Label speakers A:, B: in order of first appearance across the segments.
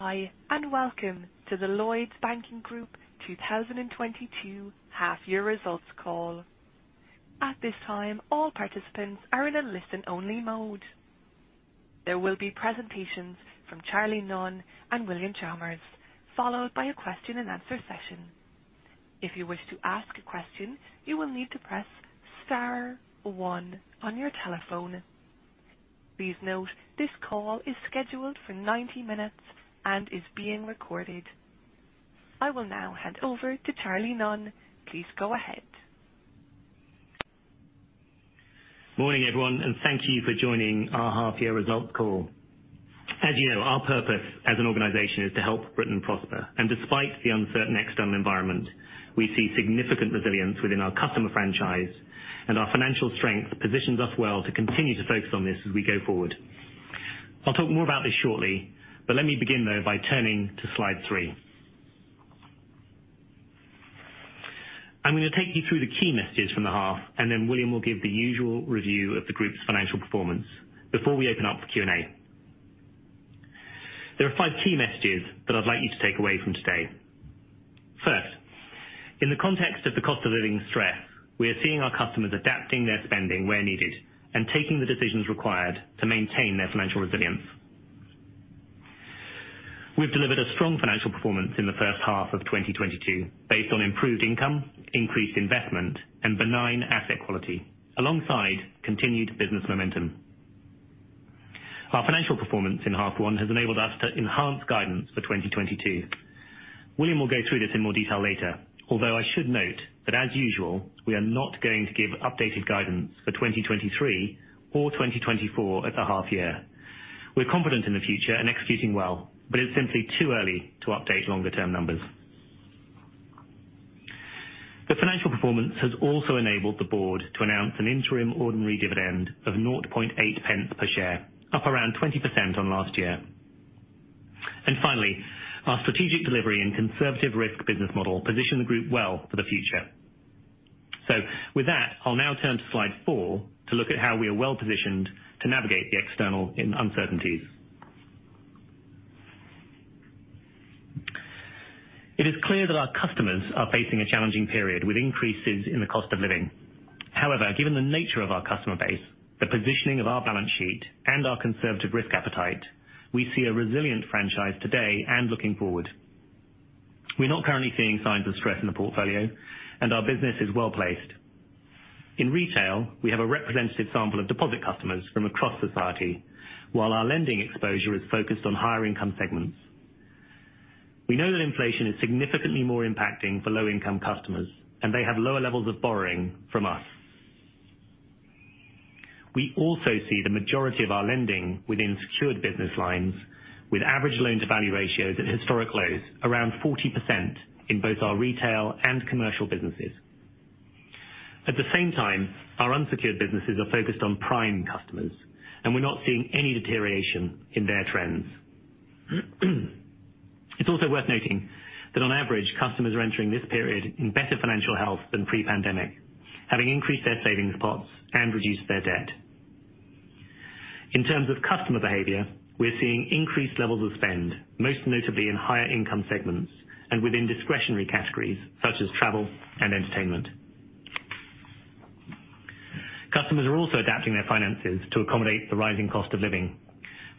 A: Hi, and welcome to the Lloyds Banking Group 2022 half year results call. At this time, all participants are in a listen only mode. There will be presentations from Charlie Nunn and William Chalmers, followed by a question and answer session. If you wish to ask a question, you will need to press star one on your telephone. Please note this call is scheduled for 90 minutes and is being recorded. I will now hand over to Charlie Nunn. Please go ahead.
B: Morning, everyone, and thank you for joining our half year results call. As you know, our purpose as an organization is to help Britain prosper. Despite the uncertain external environment, we see significant resilience within our customer franchise, and our financial strength positions us well to continue to focus on this as we go forward. I'll talk more about this shortly, but let me begin, though, by turning to slide 3. I'm gonna take you through the key messages from the half, and then William will give the usual review of the group's financial performance before we open up the Q&A. There are 5 key messages that I'd like you to take away from today. First, in the context of the cost of living stress, we are seeing our customers adapting their spending where needed and taking the decisions required to maintain their financial resilience. We've delivered a strong financial performance in the first half of 2022 based on improved income, increased investment, and benign asset quality alongside continued business momentum. Our financial performance in half one has enabled us to enhance guidance for 2022. William will go through this in more detail later, although I should note that as usual, we are not going to give updated guidance for 2023 or 2024 at the half year. We're confident in the future and executing well, but it's simply too early to update longer term numbers. The financial performance has also enabled the board to announce an interim ordinary dividend of 0.008 per share, up around 20% on last year. Finally, our strategic delivery and conservative risk business model position the group well for the future. With that, I'll now turn to slide four to look at how we are well-positioned to navigate the external and internal uncertainties. It is clear that our customers are facing a challenging period with increases in the cost of living. However, given the nature of our customer base, the positioning of our balance sheet and our conservative risk appetite, we see a resilient franchise today and looking forward. We're not currently seeing signs of stress in the portfolio, and our business is well-placed. In retail, we have a representative sample of deposit customers from across society, while our lending exposure is focused on higher income segments. We know that inflation is significantly more impacting for low-income customers, and they have lower levels of borrowing from us. We also see the majority of our lending within secured business lines with average loan to value ratios at historic lows, around 40% in both our retail and commercial businesses. At the same time, our unsecured businesses are focused on prime customers, and we're not seeing any deterioration in their trends. It's also worth noting that on average, customers are entering this period in better financial health than pre-pandemic, having increased their savings pots and reduced their debt. In terms of customer behavior, we're seeing increased levels of spend, most notably in higher income segments and within discretionary categories such as travel and entertainment. Customers are also adapting their finances to accommodate the rising cost of living.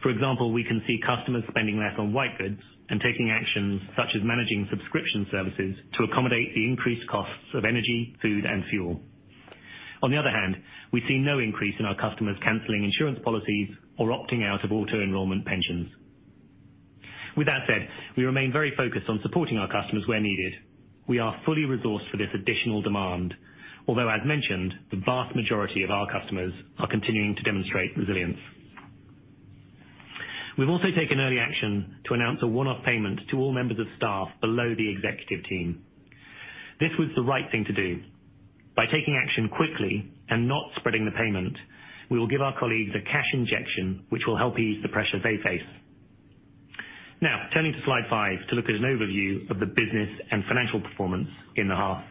B: For example, we can see customers spending less on white goods and taking actions such as managing subscription services to accommodate the increased costs of energy, food, and fuel. On the other hand, we see no increase in our customers canceling insurance policies or opting out of auto-enrollment pensions. With that said, we remain very focused on supporting our customers where needed. We are fully resourced for this additional demand. Although as mentioned, the vast majority of our customers are continuing to demonstrate resilience. We've also taken early action to announce a one-off payment to all members of staff below the executive team. This was the right thing to do. By taking action quickly and not spreading the payment, we will give our colleagues a cash injection which will help ease the pressure they face. Now turning to slide five to look at an overview of the business and financial performance in the half.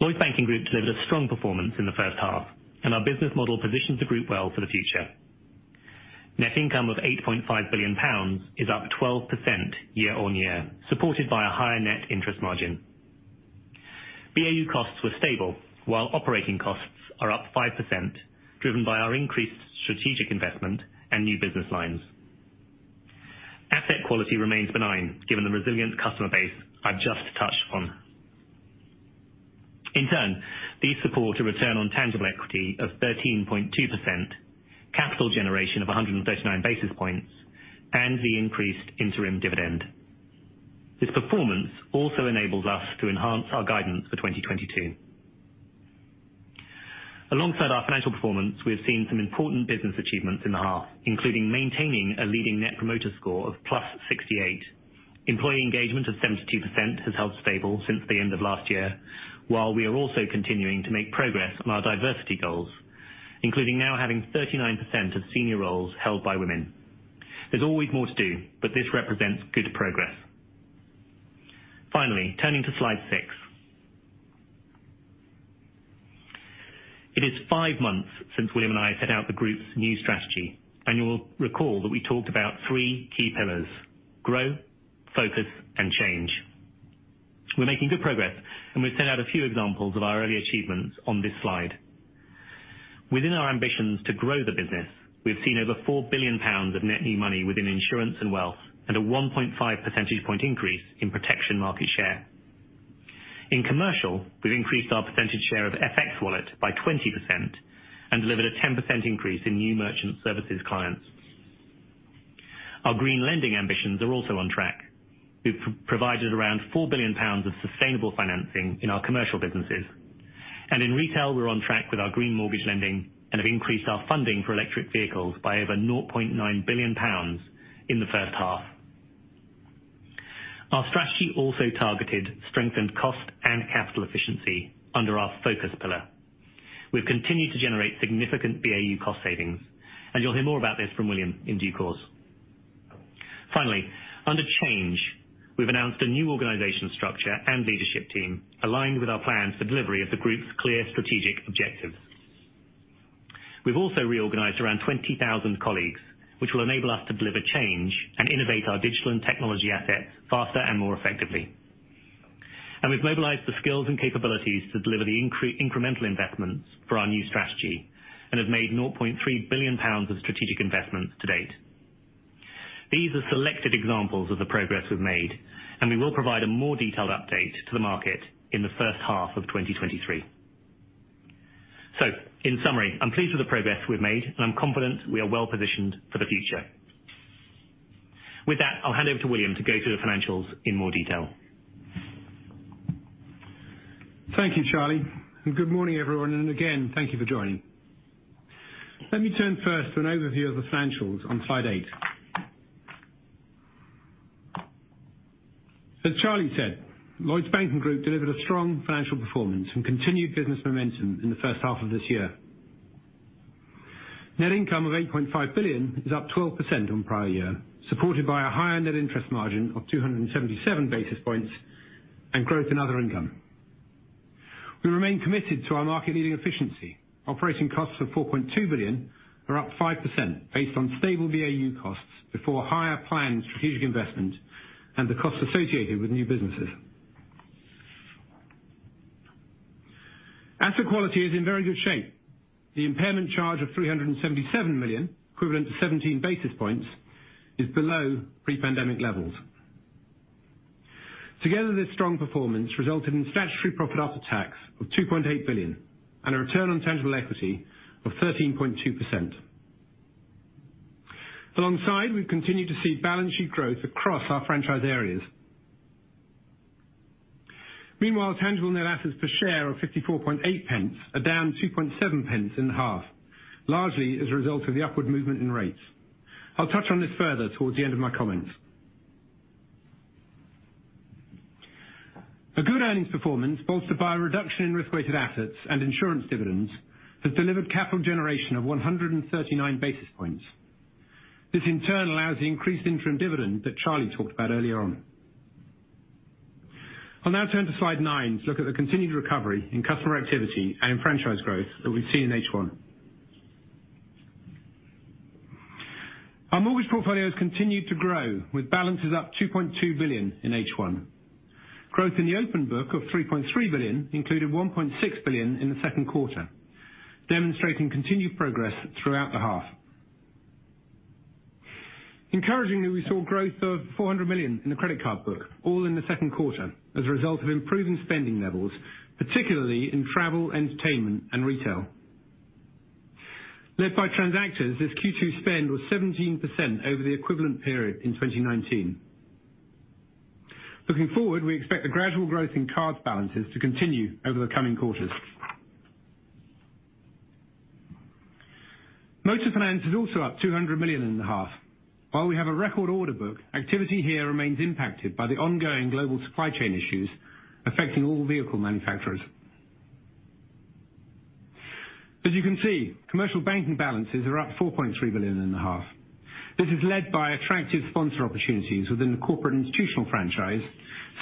B: Lloyds Banking Group delivered a strong performance in the first half, and our business model positions the group well for the future. Net income of 8.5 billion pounds is up 12% year-on-year, supported by a higher net interest margin. BAU costs were stable while operating costs are up 5%, driven by our increased strategic investment and new business lines. Asset quality remains benign given the resilient customer base I've just touched on. In turn, these support a return on tangible equity of 13.2%, capital generation of 139 basis points, and the increased interim dividend. This performance also enables us to enhance our guidance for 2022. Alongside our financial performance, we have seen some important business achievements in the half, including maintaining a leading net promoter score of +68. Employee engagement of 72% has held stable since the end of last year. While we are also continuing to make progress on our diversity goals, including now having 39% of senior roles held by women. There's always more to do, but this represents good progress. Finally, turning to slide 6. It is 5 months since William and I set out the group's new strategy, and you will recall that we talked about 3 key pillars: grow, focus, and change. We're making good progress, and we've set out a few examples of our early achievements on this slide. Within our ambitions to grow the business, we've seen over GBP 4 billion of net new money within insurance and wealth and a 1.5 percentage point increase in protection market share. In commercial, we've increased our percentage share of FX wallet by 20% and delivered a 10% increase in new merchant services clients. Our green lending ambitions are also on track. We've provided around 4 billion pounds of sustainable financing in our commercial businesses. In retail, we're on track with our green mortgage lending and have increased our funding for electric vehicles by over 0.9 billion pounds in the first half. Our strategy also targeted strengthened cost and capital efficiency under our focus pillar. We've continued to generate significant BAU cost savings, and you'll hear more about this from William in due course. Finally, under change, we've announced a new organizational structure and leadership team aligned with our plans for delivery of the group's clear strategic objectives. We've also reorganized around 20,000 colleagues, which will enable us to deliver change and innovate our digital and technology assets faster and more effectively. We've mobilized the skills and capabilities to deliver the incremental investments for our new strategy and have made 0.3 billion pounds of strategic investments to date. These are selected examples of the progress we've made, and we will provide a more detailed update to the market in the first half of 2023. In summary, I'm pleased with the progress we've made, and I'm confident we are well positioned for the future. With that, I'll hand over to William to go through the financials in more detail.
C: Thank you, Charlie, and good morning, everyone. Again, thank you for joining. Let me turn first to an overview of the financials on slide 8. As Charlie said, Lloyds Banking Group delivered a strong financial performance and continued business momentum in the first half of this year. Net income of 8.5 billion is up 12% on prior year, supported by a higher net interest margin of 277 basis points and growth in other income. We remain committed to our market-leading efficiency. Operating costs of 4.2 billion are up 5% based on stable BAU costs before higher planned strategic investment and the costs associated with new businesses. Asset quality is in very good shape. The impairment charge of 377 million, equivalent to 17 basis points, is below pre-pandemic levels. Together, this strong performance resulted in statutory profit after tax of 2.8 billion and a return on tangible equity of 13.2%. We've continued to see balance sheet growth across our franchise areas. Tangible net asset value per share of 54.8 pence is down 2.7 pence in half, largely as a result of the upward movement in rates. I'll touch on this further towards the end of my comments. A good earnings performance bolstered by a reduction in risk-weighted assets and insurance dividends has delivered capital generation of 139 basis points. This in turn allows the increased interim dividend that Charlie talked about earlier on. I'll now turn to slide 9 to look at the continued recovery in customer activity and franchise growth that we've seen in H1. Our mortgage portfolios continued to grow with balances up 2.2 billion in H1. Growth in the open book of 3.3 billion included 1.6 billion in the second quarter, demonstrating continued progress throughout the half. Encouragingly, we saw growth of 400 million in the credit card book, all in the second quarter as a result of improving spending levels, particularly in travel, entertainment, and retail. Led by transactors, this Q2 spend was 17% over the equivalent period in 2019. Looking forward, we expect the gradual growth in card balances to continue over the coming quarters. Motor finance is also up 200 million in the half. While we have a record order book, activity here remains impacted by the ongoing global supply chain issues affecting all vehicle manufacturers. As you can see, commercial banking balances are up 4.3 billion in the half. This is led by attractive sponsor opportunities within the corporate institutional franchise,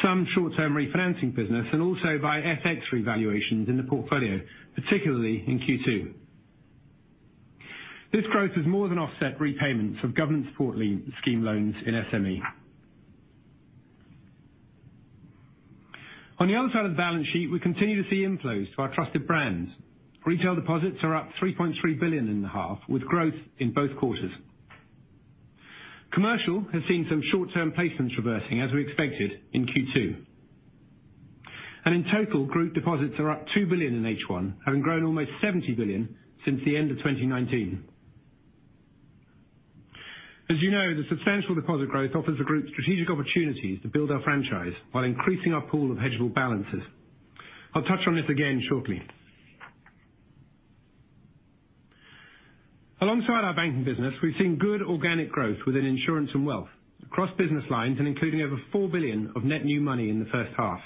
C: some short-term refinancing business, and also by FX revaluations in the portfolio, particularly in Q2. This growth has more than offset repayments of government support scheme loans in SME. On the other side of the balance sheet, we continue to see inflows to our trusted brands. Retail deposits are up 3.3 billion in the half with growth in both quarters. Commercial has seen some short-term placements reversing, as we expected in Q2. In total, group deposits are up 2 billion in H1, having grown almost 70 billion since the end of 2019. As you know, the substantial deposit growth offers the group strategic opportunities to build our franchise while increasing our pool of hedgeable balances. I'll touch on this again shortly. Alongside our banking business, we've seen good organic growth within insurance and wealth across business lines and including over 4 billion of net new money in the first half.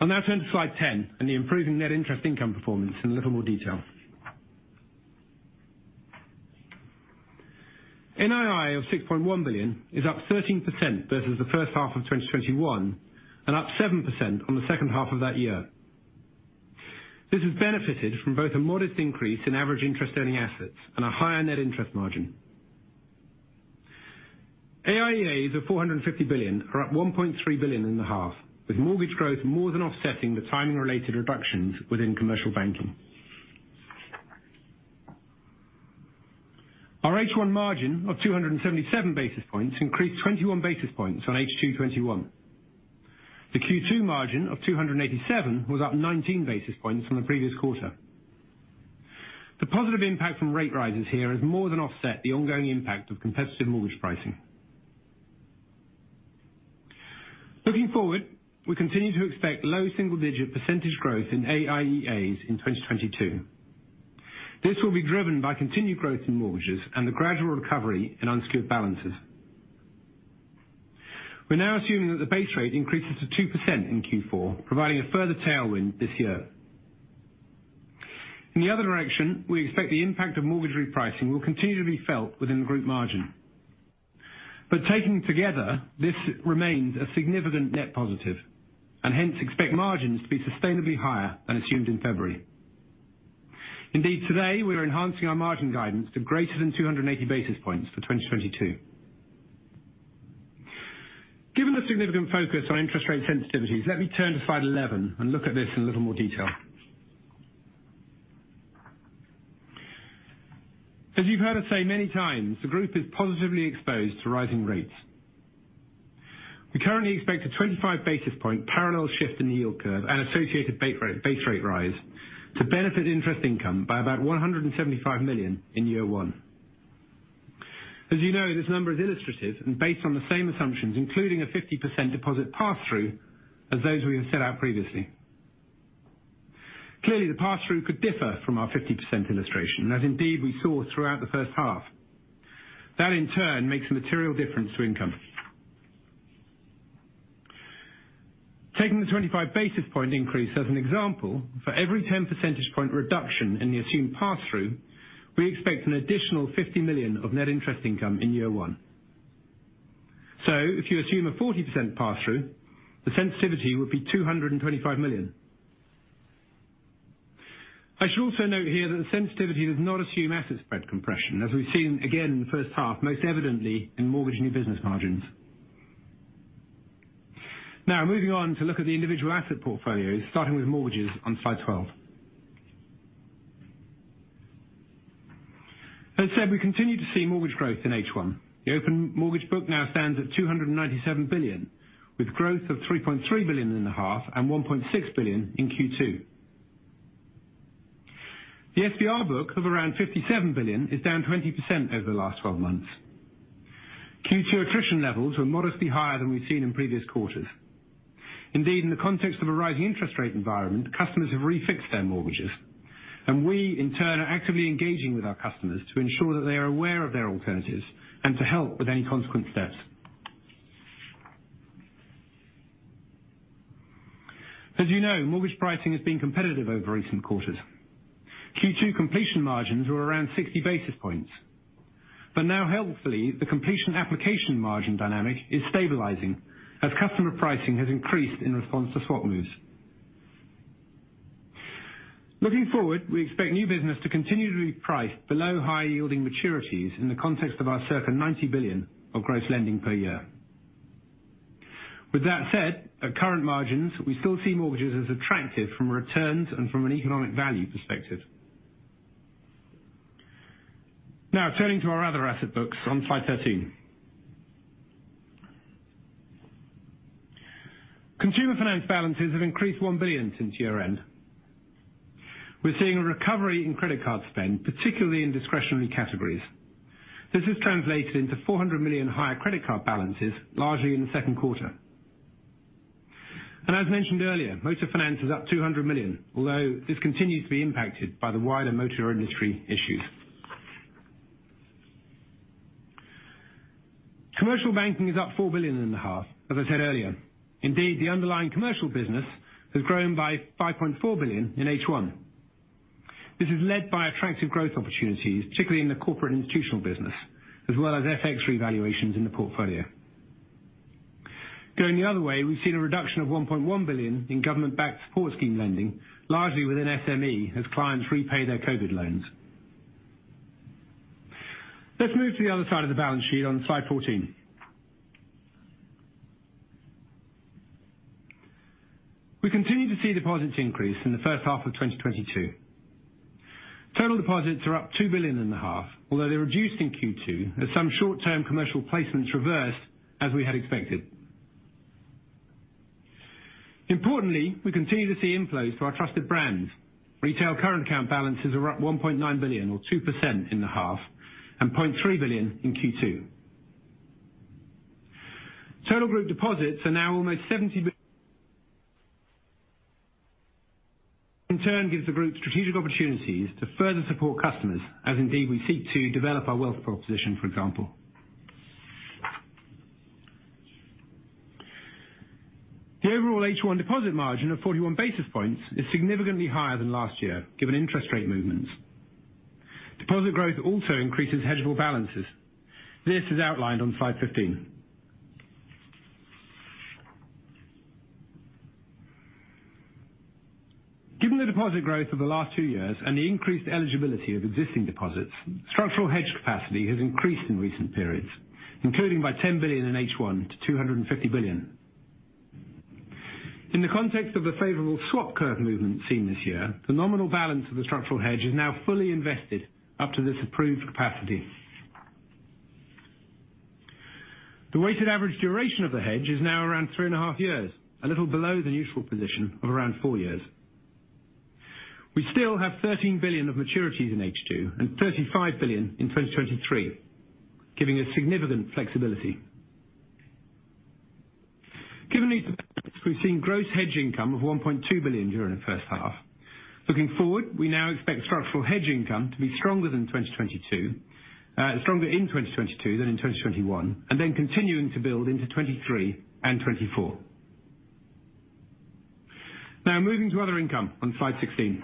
C: I'll now turn to slide 10 and the improving net interest income performance in a little more detail. NII of 6.1 billion is up 13% versus the first half of 2021 and up 7% on the second half of that year. This has benefited from both a modest increase in average interest earning assets and a higher net interest margin. AIEAs of GBP 450 billion are up 1.3 billion in the half, with mortgage growth more than offsetting the timing related reductions within commercial banking. Our H1 margin of 277 basis points increased 21 basis points on H2 2021. The Q2 margin of 287 was up 19 basis points from the previous quarter. The positive impact from rate rises here has more than offset the ongoing impact of competitive mortgage pricing. Looking forward, we continue to expect low single-digit percentage growth in AIEAs in 2022. This will be driven by continued growth in mortgages and the gradual recovery in unsecured balances. We're now assuming that the base rate increases to 2% in Q4, providing a further tailwind this year. In the other direction, we expect the impact of mortgage repricing will continue to be felt within the group margin. Taken together, this remains a significant net positive and hence expect margins to be sustainably higher than assumed in February. Indeed, today we are enhancing our margin guidance to greater than 280 basis points for 2022. Given the significant focus on interest rate sensitivities, let me turn to slide 11 and look at this in a little more detail. As you've heard us say many times, the group is positively exposed to rising rates. We currently expect a 25 basis point parallel shift in the yield curve and associated base rate, base rate rise to benefit interest income by about 175 million in year one. As you know, this number is illustrative and based on the same assumptions, including a 50% deposit pass-through as those we have set out previously. Clearly, the pass-through could differ from our 50% illustration, as indeed we saw throughout the first half. That in turn makes a material difference to income. Taking the 25 basis point increase as an example, for every 10 percentage point reduction in the assumed pass-through, we expect an additional 50 million of net interest income in year one. If you assume a 40% pass-through, the sensitivity would be 225 million. I should also note here that the sensitivity does not assume asset spread compression, as we've seen again in the first half, most evidently in mortgage new business margins. Now moving on to look at the individual asset portfolios, starting with mortgages on slide 12. As said, we continue to see mortgage growth in H1. The open mortgage book now stands at 297 billion, with growth of 3.3 billion in the half and 1.6 billion in Q2. The SPR book of around 57 billion is down 20% over the last 12 months. Q2 attrition levels were modestly higher than we've seen in previous quarters. Indeed, in the context of a rising interest rate environment, customers have refixed their mortgages, and we in turn are actively engaging with our customers to ensure that they are aware of their alternatives and to help with any consequent steps. As you know, mortgage pricing has been competitive over recent quarters. Q2 completion margins were around 60 basis points. Now helpfully, the completion application margin dynamic is stabilizing as customer pricing has increased in response to swap moves. Looking forward, we expect new business to continue to be priced below high yielding maturities in the context of our circa 90 billion of gross lending per year. With that said, at current margins, we still see mortgages as attractive from returns and from an economic value perspective. Now turning to our other asset books on slide 13. Consumer finance balances have increased 1 billion since year-end. We're seeing a recovery in credit card spend, particularly in discretionary categories. This has translated into 400 million higher credit card balances, largely in the second quarter. And as mentioned earlier, motor finance is up 200 million, although this continues to be impacted by the wider motor industry issues. Commercial banking is up 4 billion in the half, as I said earlier. Indeed, the underlying commercial business has grown by 5.4 billion in H1. This is led by attractive growth opportunities, particularly in the corporate institutional business, as well as FX revaluations in the portfolio. Going the other way, we've seen a reduction of 1.1 billion in government backed support scheme lending, largely within SME as clients repay their COVID loans. Let's move to the other side of the balance sheet on slide 14. We continue to see deposits increase in the first half of 2022. Total deposits are up 2.5 billion, although they reduced in Q2 as some short-term commercial placements reversed as we had expected. Importantly, we continue to see inflows to our trusted brands. Retail current account balances are up 1.9 billion or 2% in the half and 0.3 billion in Q2. Total group deposits are now almost 70 billion. In turn, this gives the group strategic opportunities to further support customers as indeed we seek to develop our wealth proposition, for example. Overall H1 deposit margin of 41 basis points is significantly higher than last year, given interest rate movements. Deposit growth also increases hedgeable balances. This is outlined on slide 15. Given the deposit growth of the last two years and the increased eligibility of existing deposits, structural hedge capacity has increased in recent periods, including by 10 billion in H1 to 250 billion. In the context of the favorable swap curve movement seen this year, the nominal balance of the structural hedge is now fully invested up to this approved capacity. The weighted average duration of the hedge is now around 3.5 years, a little below the neutral position of around 4 years. We still have 13 billion of maturities in H2 and 35 billion in 2023, giving us significant flexibility. Given these, we've seen gross hedge income of 1.2 billion during the first half. Looking forward, we now expect structural hedge income to be stronger than 2022, stronger in 2022 than in 2021, and then continuing to build into 2023 and 2024. Now moving to other income on slide 16.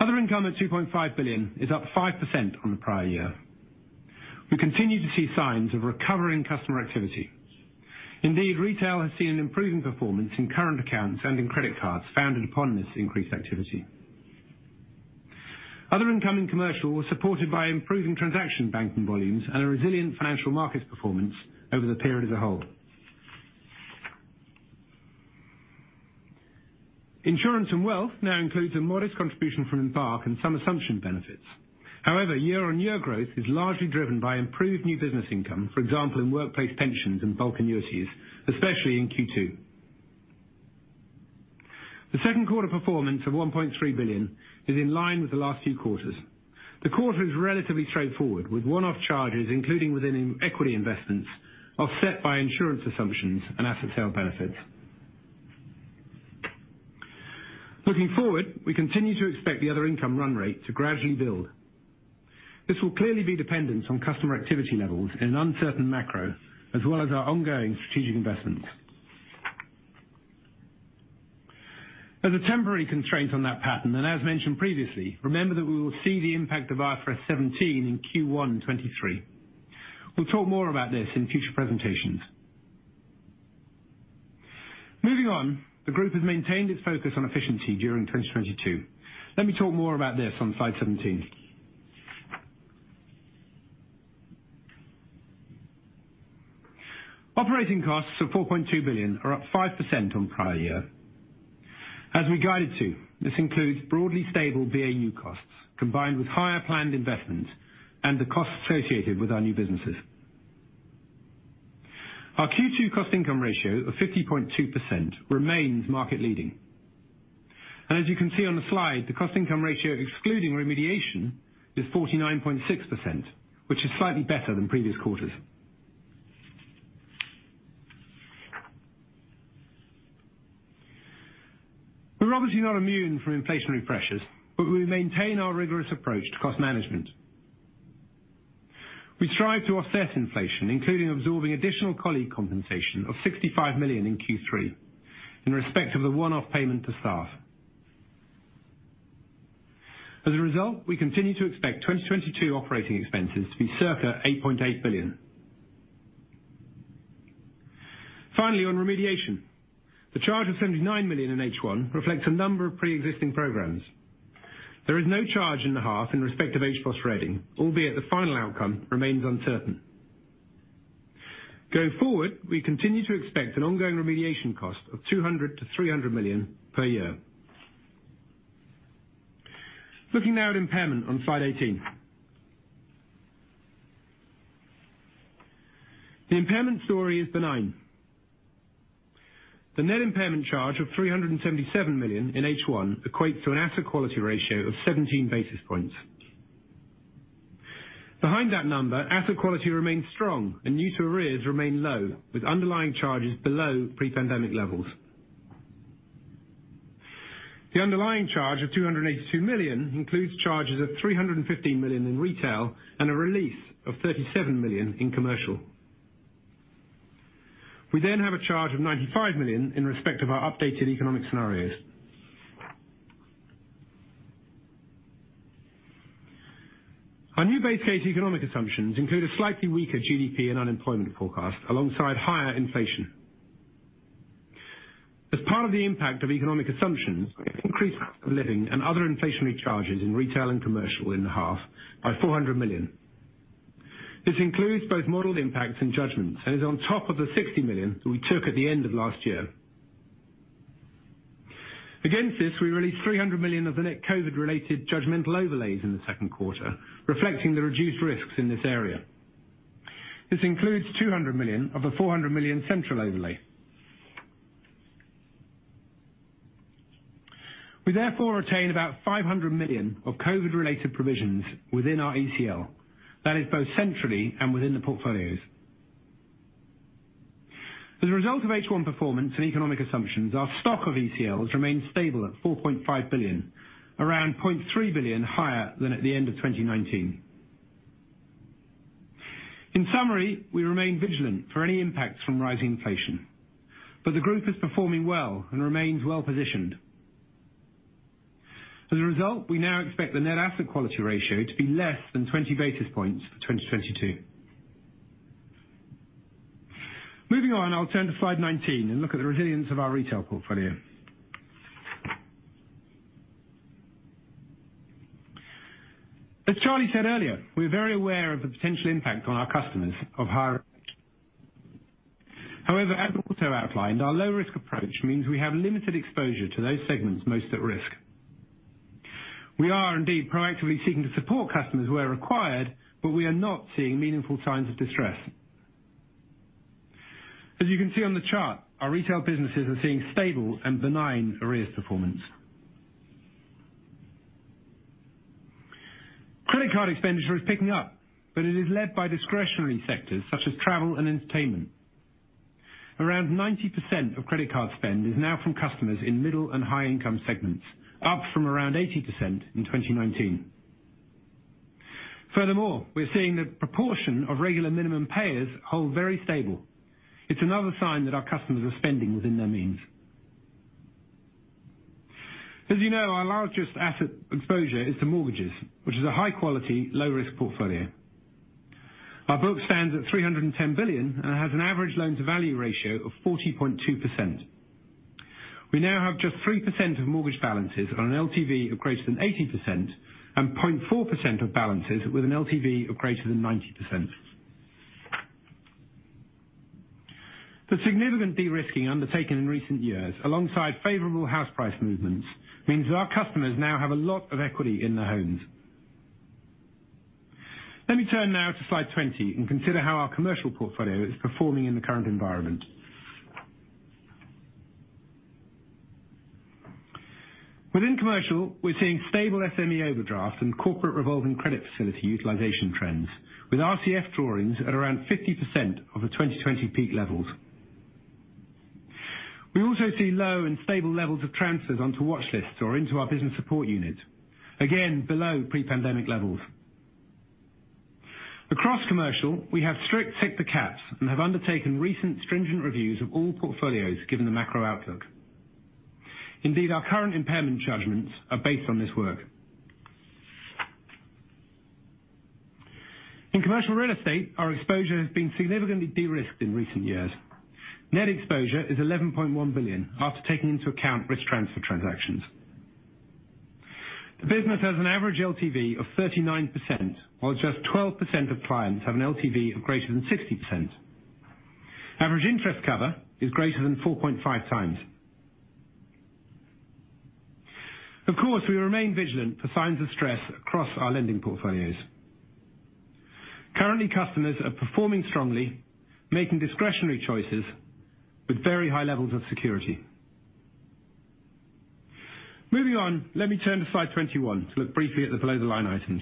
C: Other income at 2.5 billion is up 5% on the prior year. We continue to see signs of recovering customer activity. Indeed, retail has seen an improving performance in current accounts and in credit cards founded upon this increased activity. Other incoming commercial was supported by improving transaction banking volumes and a resilient financial markets performance over the period as a whole. Insurance and wealth now includes a modest contribution from Embark and some assumption benefits. However, year-on-year growth is largely driven by improved new business income, for example, in workplace pensions and bulk annuities, especially in Q2. The second quarter performance of 1.3 billion is in line with the last two quarters. The quarter is relatively straightforward, with one-off charges, including within equity investments, offset by insurance assumptions and asset sale benefits. Looking forward, we continue to expect the other income run rate to gradually build. This will clearly be dependent on customer activity levels and uncertain macro, as well as our ongoing strategic investments. There's a temporary constraint on that pattern, and as mentioned previously, remember that we will see the impact of IFRS 17 in Q1 2023. We'll talk more about this in future presentations. Moving on, the group has maintained its focus on efficiency during 2022. Let me talk more about this on slide 17. Operating costs of 4.2 billion are up 5% on prior year. As we guided to, this includes broadly stable BAU costs, combined with higher planned investment and the costs associated with our new businesses. Our Q2 cost income ratio of 50.2% remains market leading. As you can see on the slide, the cost income ratio excluding remediation is 49.6%, which is slightly better than previous quarters. We're obviously not immune from inflationary pressures, but we maintain our rigorous approach to cost management. We strive to offset inflation, including absorbing additional colleague compensation of 65 million in Q3 in respect of the one-off payment to staff. As a result, we continue to expect 2022 operating expenses to be circa 8.8 billion. Finally, on remediation, the charge of 79 million in H1 reflects a number of pre-existing programs. There is no charge in the half in respect of HBOS Reading, albeit the final outcome remains uncertain. Going forward, we continue to expect an ongoing remediation cost of 200-300 million per year. Looking now at impairment on slide 18. The impairment story is benign. The net impairment charge of 377 million in H1 equates to an asset quality ratio of 17 basis points. Behind that number, asset quality remains strong and new to arrears remain low, with underlying charges below pre-pandemic levels. The underlying charge of 282 million includes charges of 315 million in retail and a release of 37 million in commercial. We have a charge of 95 million in respect of our updated economic scenarios. Our new base case economic assumptions include a slightly weaker GDP and unemployment forecast alongside higher inflation. As part of the impact of economic assumptions, increased cost of living and other inflationary charges in retail and commercial in the half by 400 million. This includes both modeled impacts and judgments and is on top of the 60 million we took at the end of last year. Against this, we released 300 million of the net COVID-related judgmental overlays in the second quarter, reflecting the reduced risks in this area. This includes 200 million of the 400 million central overlay. We therefore retain about 500 million of COVID-related provisions within our ECL. That is both centrally and within the portfolios. As a result of H1 performance and economic assumptions, our stock of ECLs remains stable at 4.5 billion, around 0.3 billion higher than at the end of 2019. In summary, we remain vigilant for any impacts from rising inflation, but the group is performing well and remains well positioned. As a result, we now expect the net asset quality ratio to be less than 20 basis points for 2022. Moving on, I'll turn to slide 19 and look at the resilience of our retail portfolio. As Charlie said earlier, we're very aware of the potential impact on our customers of higher... However, as also outlined, our low risk approach means we have limited exposure to those segments most at risk. We are indeed proactively seeking to support customers where required, but we are not seeing meaningful signs of distress. As you can see on the chart, our retail businesses are seeing stable and benign arrears performance. Credit card expenditure is picking up, but it is led by discretionary sectors such as travel and entertainment. Around 90% of credit card spend is now from customers in middle and high income segments, up from around 80% in 2019. Furthermore, we're seeing the proportion of regular minimum payers hold very stable. It's another sign that our customers are spending within their means. As you know, our largest asset exposure is to mortgages, which is a high quality, low risk portfolio. Our book stands at 310 billion and has an average loan to value ratio of 40.2%. We now have just 3% of mortgage balances on an LTV of greater than 80% and 0.4% of balances with an LTV of greater than 90%. The significant de-risking undertaken in recent years alongside favorable house price movements means that our customers now have a lot of equity in their homes. Let me turn now to slide 20 and consider how our commercial portfolio is performing in the current environment. Within commercial, we're seeing stable SME overdraft and corporate revolving credit facility utilization trends with RCF drawings at around 50% of the 2020 peak levels. We also see low and stable levels of transfers onto watch lists or into our business support unit. Again, below pre-pandemic levels. Across commercial, we have strict sector caps and have undertaken recent stringent reviews of all portfolios given the macro outlook. Indeed, our current impairment judgments are based on this work. In commercial real estate, our exposure has been significantly de-risked in recent years. Net exposure is 11.1 billion after taking into account risk transfer transactions. The business has an average LTV of 39%, while just 12% of clients have an LTV of greater than 60%. Average interest cover is greater than 4.5 times. Of course, we remain vigilant for signs of stress across our lending portfolios. Currently, customers are performing strongly, making discretionary choices with very high levels of security. Moving on, let me turn to slide 21 to look briefly at the below the line items.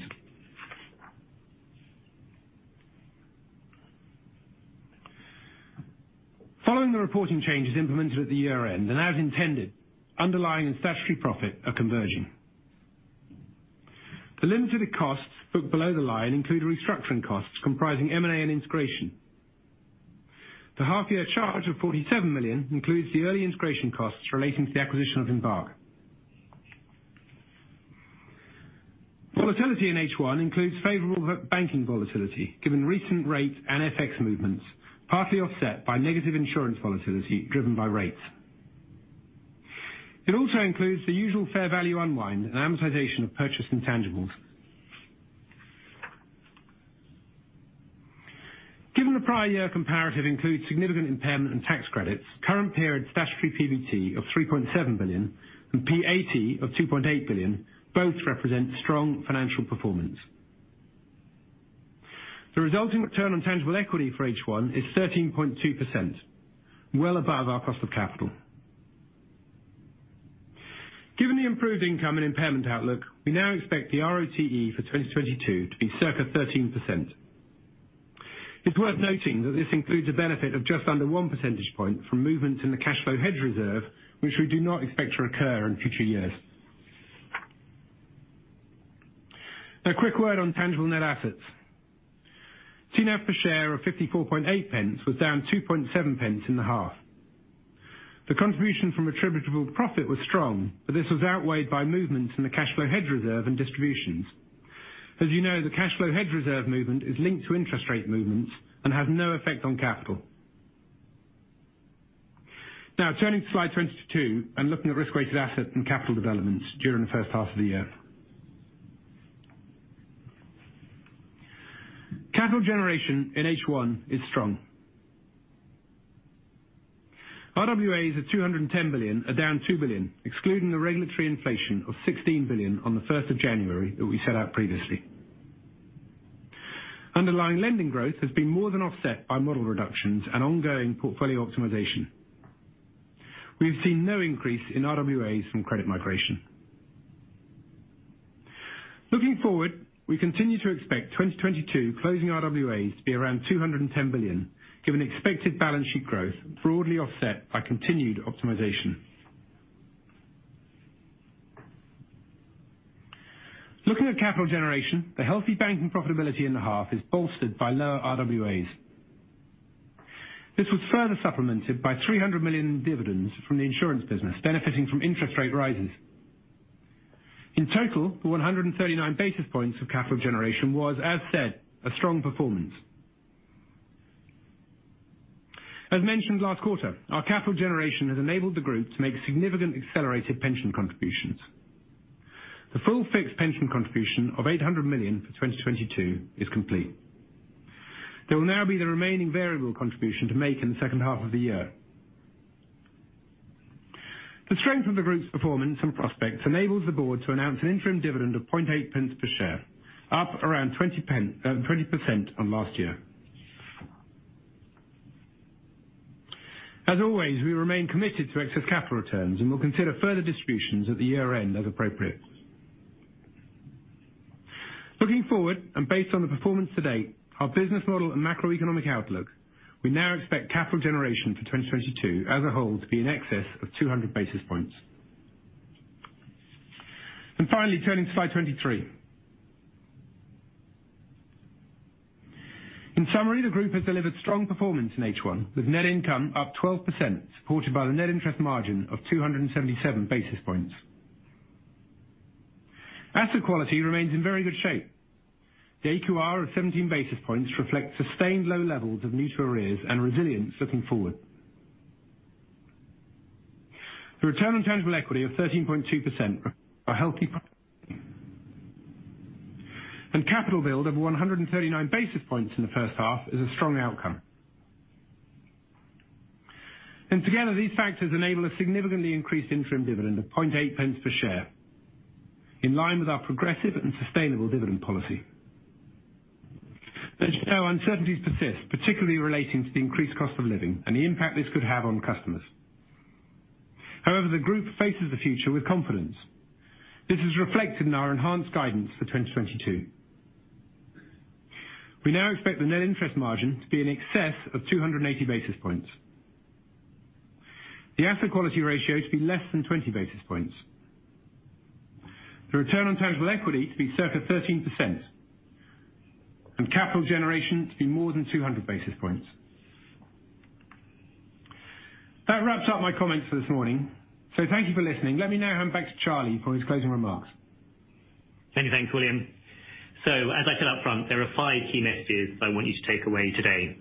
C: Following the reporting changes implemented at the year-end and as intended, underlying and statutory profit are converging. The limited costs booked below the line include restructuring costs comprising M&A and integration. The half year charge of 47 million includes the early integration costs relating to the acquisition of Embark. Volatility in H1 includes favorable banking volatility given recent rate and FX movements, partly offset by negative insurance volatility driven by rates. It also includes the usual fair value unwind and amortization of purchased intangibles. Given the prior year comparative includes significant impairment and tax credits, current period statutory PBT of 3.7 billion and PAT of 2.8 billion both represent strong financial performance. The resulting return on tangible equity for H1 is 13.2%, well above our cost of capital. Given the improved income and impairment outlook, we now expect the ROTE for 2022 to be circa 13%. It's worth noting that this includes a benefit of just under 1 percentage point from movement in the cash flow hedge reserve, which we do not expect to recur in future years. A quick word on tangible net assets. TNAV per share of 54.8 was down 2.7 pence in the half. The contribution from attributable profit was strong, but this was outweighed by movements in the cash flow hedge reserve and distributions. As you know, the cash flow hedge reserve movement is linked to interest rate movements and has no effect on capital. Now turning to slide 22 and looking at risk-weighted assets and capital developments during the first half of the year. Capital generation in H1 is strong. RWAs at 210 billion are down 2 billion, excluding the regulatory inflation of 16 billion on the first of January that we set out previously. Underlying lending growth has been more than offset by model reductions and ongoing portfolio optimization. We've seen no increase in RWAs from credit migration. Looking forward, we continue to expect 2022 closing RWAs to be around 210 billion, given expected balance sheet growth broadly offset by continued optimization. Looking at capital generation, the healthy banking profitability in the half is bolstered by lower RWAs. This was further supplemented by 300 million in dividends from the insurance business, benefiting from interest rate rises. In total, 139 basis points of capital generation was, as said, a strong performance. As mentioned last quarter, our capital generation has enabled the group to make significant accelerated pension contributions. The full fixed pension contribution of 800 million for 2022 is complete. There will now be the remaining variable contribution to make in the second half of the year. The strength of the group's performance and prospects enables the board to announce an interim dividend of 0.008 per share, up around 20% on last year. As always, we remain committed to excess capital returns, and we'll consider further distributions at the year-end as appropriate. Looking forward and based on the performance to date, our business model and macroeconomic outlook, we now expect capital generation for 2022 as a whole to be in excess of 200 basis points. Finally turning to slide 23. In summary, the group has delivered strong performance in H1, with net income up 12%, supported by the net interest margin of 277 basis points. Asset quality remains in very good shape. The AQR of 17 basis points reflects sustained low levels of neutral arrears and resilience looking forward. The return on tangible equity of 13.2%, a healthy. Capital build of 139 basis points in the first half is a strong outcome. Together, these factors enable a significantly increased interim dividend of 0.8 pence per share, in line with our progressive and sustainable dividend policy. There are uncertainties that persist, particularly relating to the increased cost of living and the impact this could have on customers. However, the group faces the future with confidence. This is reflected in our enhanced guidance for 2022. We now expect the net interest margin to be in excess of 280 basis points, the asset quality ratio to be less than 20 basis points, the return on tangible equity to be circa 13%, and capital generation to be more than 200 basis points. That wraps up my comments for this morning. Thank you for listening. Let me now hand back to Charlie for his closing remarks.
B: Many thanks, William. As I said up front, there are five key messages I want you to take away today.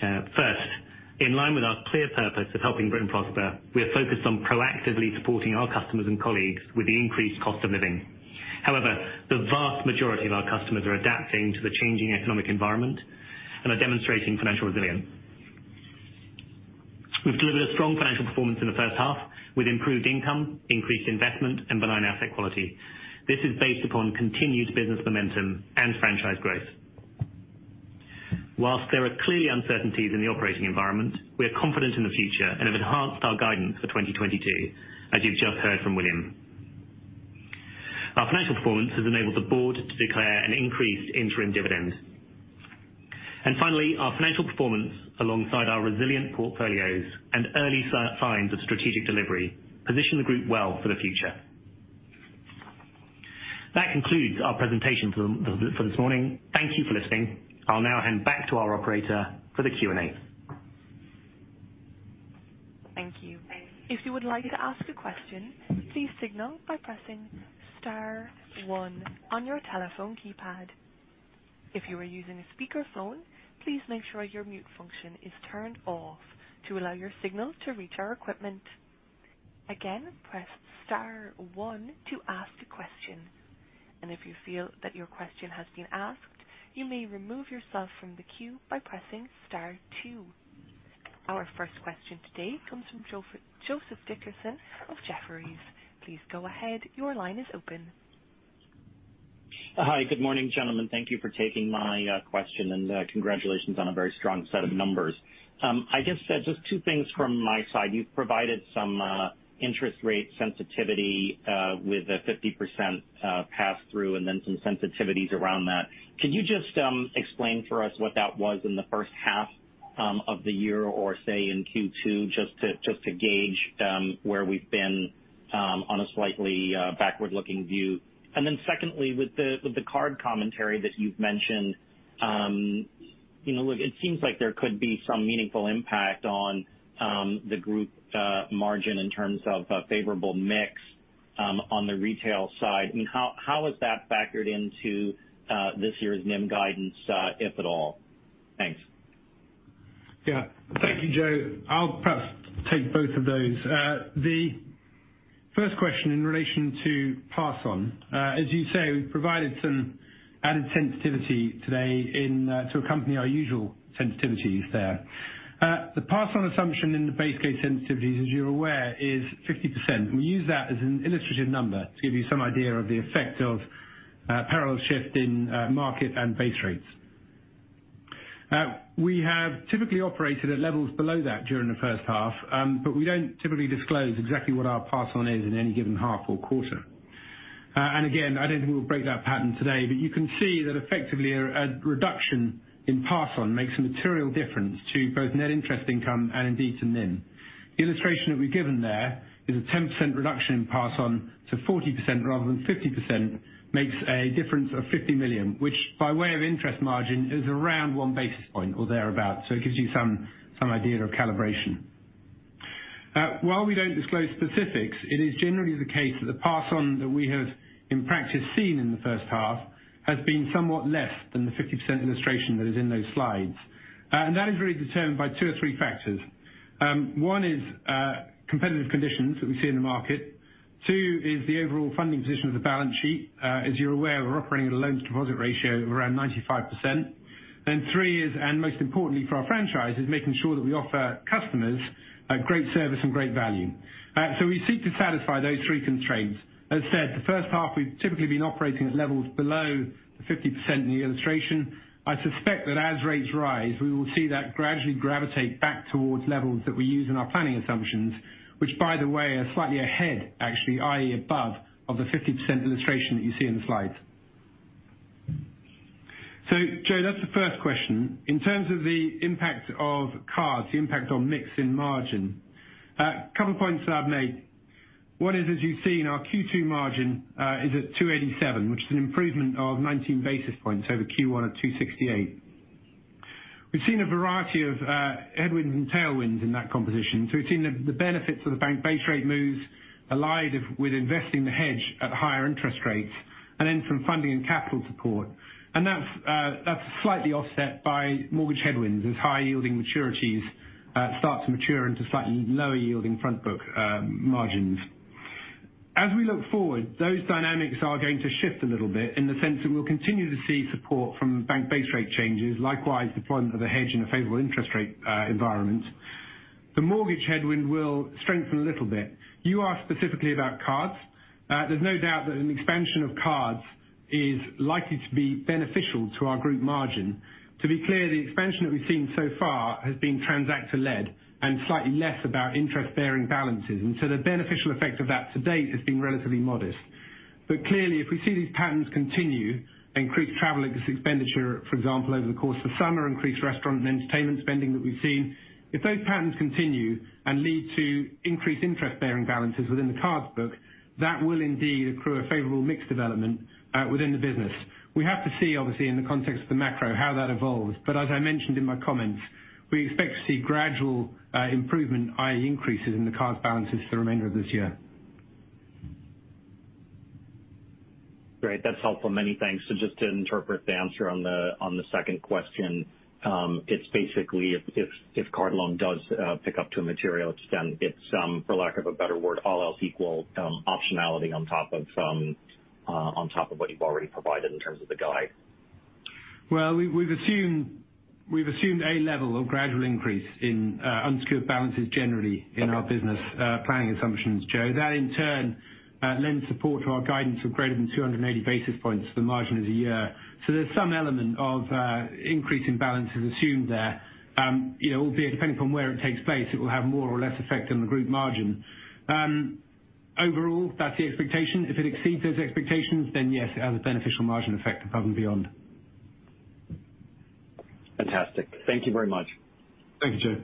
B: First, in line with our clear purpose of helping Britain prosper, we are focused on proactively supporting our customers and colleagues with the increased cost of living. However, the vast majority of our customers are adapting to the changing economic environment and are demonstrating financial resilience. We've delivered a strong financial performance in the first half with improved income, increased investment, and benign asset quality. This is based upon continued business momentum and franchise growth. While there are clearly uncertainties in the operating environment, we are confident in the future and have enhanced our guidance for 2022, as you've just heard from William. Our financial performance has enabled the board to declare an increased interim dividend. Finally, our financial performance alongside our resilient portfolios and early signs of strategic delivery position the group well for the future. That concludes our presentation for this morning. Thank you for listening. I'll now hand back to our operator for the Q&A.
A: Thank you. If you would like to ask a question, please signal by pressing star one on your telephone keypad. If you are using a speakerphone, please make sure your mute function is turned off to allow your signal to reach our equipment. Again, press star one to ask a question. If you feel that your question has been asked, you may remove yourself from the queue by pressing star two. Our first question today comes from Joseph Dickerson of Jefferies. Please go ahead. Your line is open.
D: Hi. Good morning, gentlemen. Thank you for taking my question and congratulations on a very strong set of numbers. I guess just two things from my side. You've provided some interest rate sensitivity with a 50% pass through and then some sensitivities around that. Can you just explain for us what that was in the first half of the year or say in Q2, just to gauge where we've been on a slightly backward-looking view? Then secondly, with the card commentary that you've mentioned, you know, look, it seems like there could be some meaningful impact on the group margin in terms of a favorable mix on the retail side. I mean, how is that factored into this year's NIM guidance, if at all? Thanks.
C: Yeah. Thank you, Joe. I'll perhaps take both of those. The first question in relation to pass on, as you say, we provided some added sensitivity today in to accompany our usual sensitivities there. The pass on assumption in the base case sensitivities, as you're aware, is 50%. We use that as an illustrative number to give you some idea of the effect of parallel shift in market and base rates. We have typically operated at levels below that during the first half, but we don't typically disclose exactly what our pass on is in any given half or quarter. Again, I don't think we'll break that pattern today, but you can see that effectively a reduction in pass on makes a material difference to both net interest income and indeed to NIM. The illustration that we've given there is a 10% reduction in pass on to 40% rather than 50% makes a difference of 50 million, which by way of interest margin is around one basis point or thereabout. It gives you some idea of calibration. While we don't disclose specifics, it is generally the case that the pass on that we have in practice seen in the first half has been somewhat less than the 50% illustration that is in those slides. That is really determined by two or three factors. One is competitive conditions that we see in the market. Two is the overall funding position of the balance sheet. As you're aware, we're operating at a loan-to-deposit ratio of around 95%. Three is, and most importantly for our franchise, is making sure that we offer customers great service and great value. We seek to satisfy those three constraints. As I said, the first half we've typically been operating at levels below the 50% in the illustration. I suspect that as rates rise, we will see that gradually gravitate back towards levels that we use in our planning assumptions, which by the way, are slightly ahead, actually, i.e., above the 50% illustration that you see in the slides. Joe, that's the first question. In terms of the impact of cards, the impact on mix and margin, a couple points that I've made. One is, as you've seen, our Q2 margin is at 2.87, which is an improvement of 19 basis points over Q1 at 2.68. We've seen a variety of headwinds and tailwinds in that composition. We've seen the benefits of the bank base rate moves allied with investing the hedge at higher interest rates and then some funding and capital support. That's slightly offset by mortgage headwinds as high yielding maturities start to mature into slightly lower yielding front book margins. As we look forward, those dynamics are going to shift a little bit in the sense that we'll continue to see support from bank base rate changes, likewise deployment of a hedge in a favorable interest rate environment. The mortgage headwind will strengthen a little bit. You asked specifically about cards. There's no doubt that an expansion of cards is likely to be beneficial to our group margin. To be clear, the expansion that we've seen so far has been transactor led and slightly less about interest bearing balances. The beneficial effect of that to date has been relatively modest. Clearly, if we see these patterns continue, increased travel expenditure, for example, over the course of summer, increased restaurant and entertainment spending that we've seen. If those patterns continue and lead to increased interest bearing balances within the cards book, that will indeed accrue a favorable mix development within the business. We have to see, obviously, in the context of the macro how that evolves. As I mentioned in my comments, we expect to see gradual improvement, i.e., increases in the card balances the remainder of this year.
D: Great. That's helpful. Many thanks. Just to interpret the answer on the second question, it's basically if card loan does pick up to a material extent, it's for lack of a better word, all else equal, optionality on top of on top of what you've already provided in terms of the guide.
C: Well, we've assumed a level of gradual increase in unsecured balances generally in our business planning assumptions, Joe. That in turn lends support to our guidance of greater than 280 basis points for the margin of the year. There's some element of increase in balances assumed there. You know, albeit depending upon where it takes place, it will have more or less effect on the group margin. Overall, that's the expectation. If it exceeds those expectations, then yes, it has a beneficial margin effect above and beyond.
D: Fantastic. Thank you very much.
C: Thank you, Joe.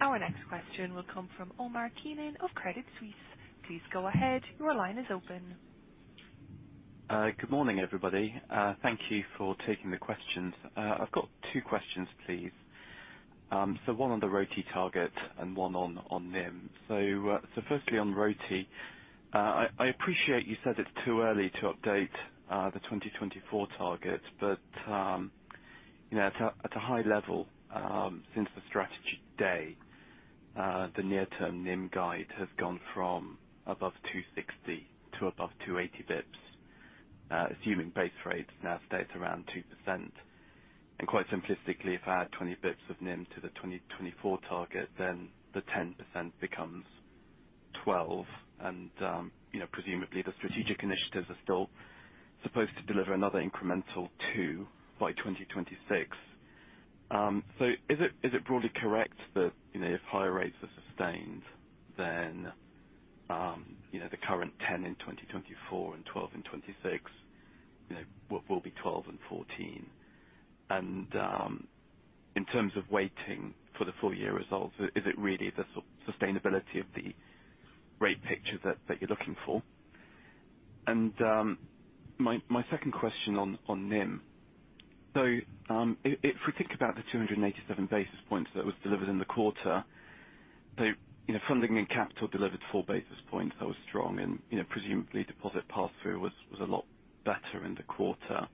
A: Our next question will come from Omar Keenan of Credit Suisse. Please go ahead. Your line is open.
E: Good morning, everybody. Thank you for taking the questions. I've got two questions please. One on the ROTE target and one on NIM. First, on ROTE. I appreciate you said it's too early to update the 2024 target, but you know, at a high level, since the strategy day, the near term NIM guide has gone from above 260 to above 280 bps, assuming base rates now stay at around 2%. Quite simplistically, if I add 20 bps of NIM to the 2024 target, then the 10% becomes 12%. You know, presumably the strategic initiatives are still supposed to deliver another incremental 2 by 2026. Is it broadly correct that, you know, if higher rates are sustained then, you know, the current 10% in 2024 and 12% in 2026, you know, what will be 12% and 14%? In terms of waiting for the full year results, is it really the sustainability of the rate picture that you're looking for? My second question on NIM. If we think about the 287 basis points that was delivered in the quarter. You know, funding and capital delivered 4 basis points. That was strong and, you know, presumably deposit pass-through was a lot better in the quarter.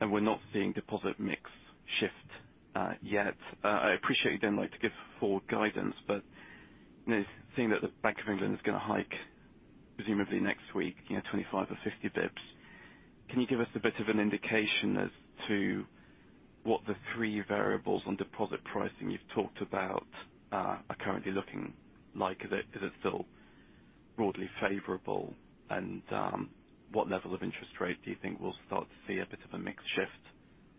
E: We're not seeing deposit mix shift yet. I appreciate you don't like to give forward guidance, but, you know, seeing that the Bank of England is gonna hike presumably next week, you know, 25 or 50 basis points, can you give us a bit of an indication as to what the three variables on deposit pricing you've talked about are currently looking like. Is it still broadly favorable? What level of interest rate do you think we'll start to see a bit of a mix shift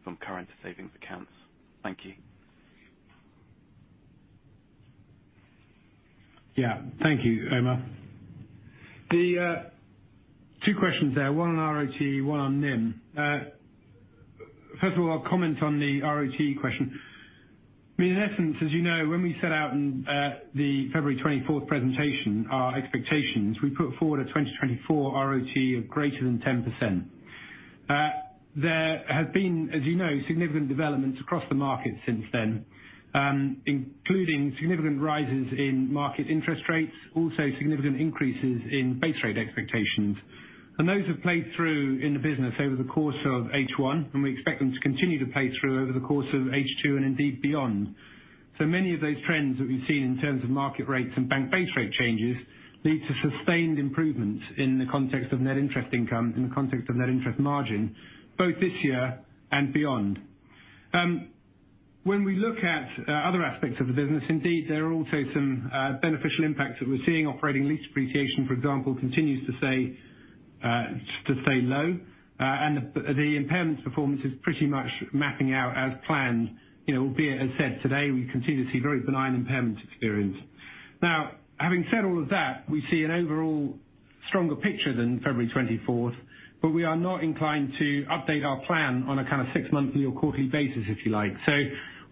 E: from current savings accounts? Thank you.
C: Yeah. Thank you, Omar. The two questions there, one on ROTE, one on NIM. First of all, I'll comment on the ROTE question. I mean, in essence, as you know, when we set out in the February 24 presentation, our expectations, we put forward a 2024 ROTE of greater than 10%. There have been, as you know, significant developments across the market since then, including significant rises in market interest rates, also significant increases in base rate expectations. Those have played through in the business over the course of H1, and we expect them to continue to play through over the course of H2 and indeed beyond. Many of those trends that we've seen in terms of market rates and bank base rate changes lead to sustained improvements in the context of net interest income, in the context of net interest margin, both this year and beyond. When we look at other aspects of the business, indeed there are also some beneficial impacts that we're seeing. Operating lease appreciation, for example, continues, say, to stay low. The impairment performance is pretty much mapping out as planned. You know, albeit, as said today, we continue to see very benign impairment experience. Now, having said all of that, we see an overall stronger picture than February twenty-fourth, but we are not inclined to update our plan on a kind of six monthly or quarterly basis, if you like.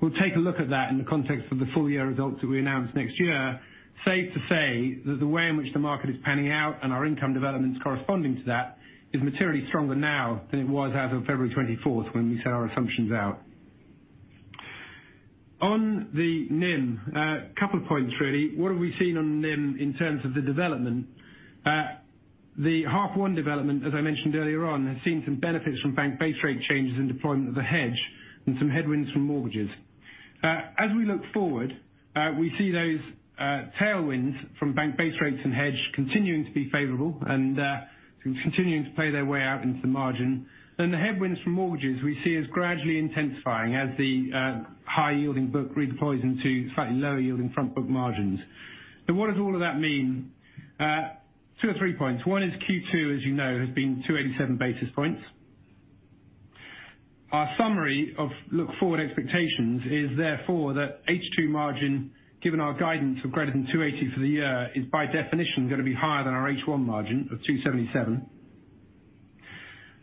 C: We'll take a look at that in the context of the full year results that we announce next year. Safe to say that the way in which the market is panning out and our income developments corresponding to that is materially stronger now than it was as of February 24th when we set our assumptions out. On the NIM, couple of points really. What have we seen on NIM in terms of the development? The half one development, as I mentioned earlier on, has seen some benefits from bank base rate changes and deployment of the hedge and some headwinds from mortgages. As we look forward, we see those tailwinds from bank base rates and hedge continuing to be favorable and continuing to play their way out into the margin. The headwinds from mortgages we see as gradually intensifying as the high yielding book redeploys into slightly lower yielding front book margins. What does all of that mean? Two or three points. One is Q2, as you know, has been 287 basis points. Our summary of forward-looking expectations is therefore that H2 margin, given our guidance of greater than 280 for the year, is by definition gonna be higher than our H1 margin of 277.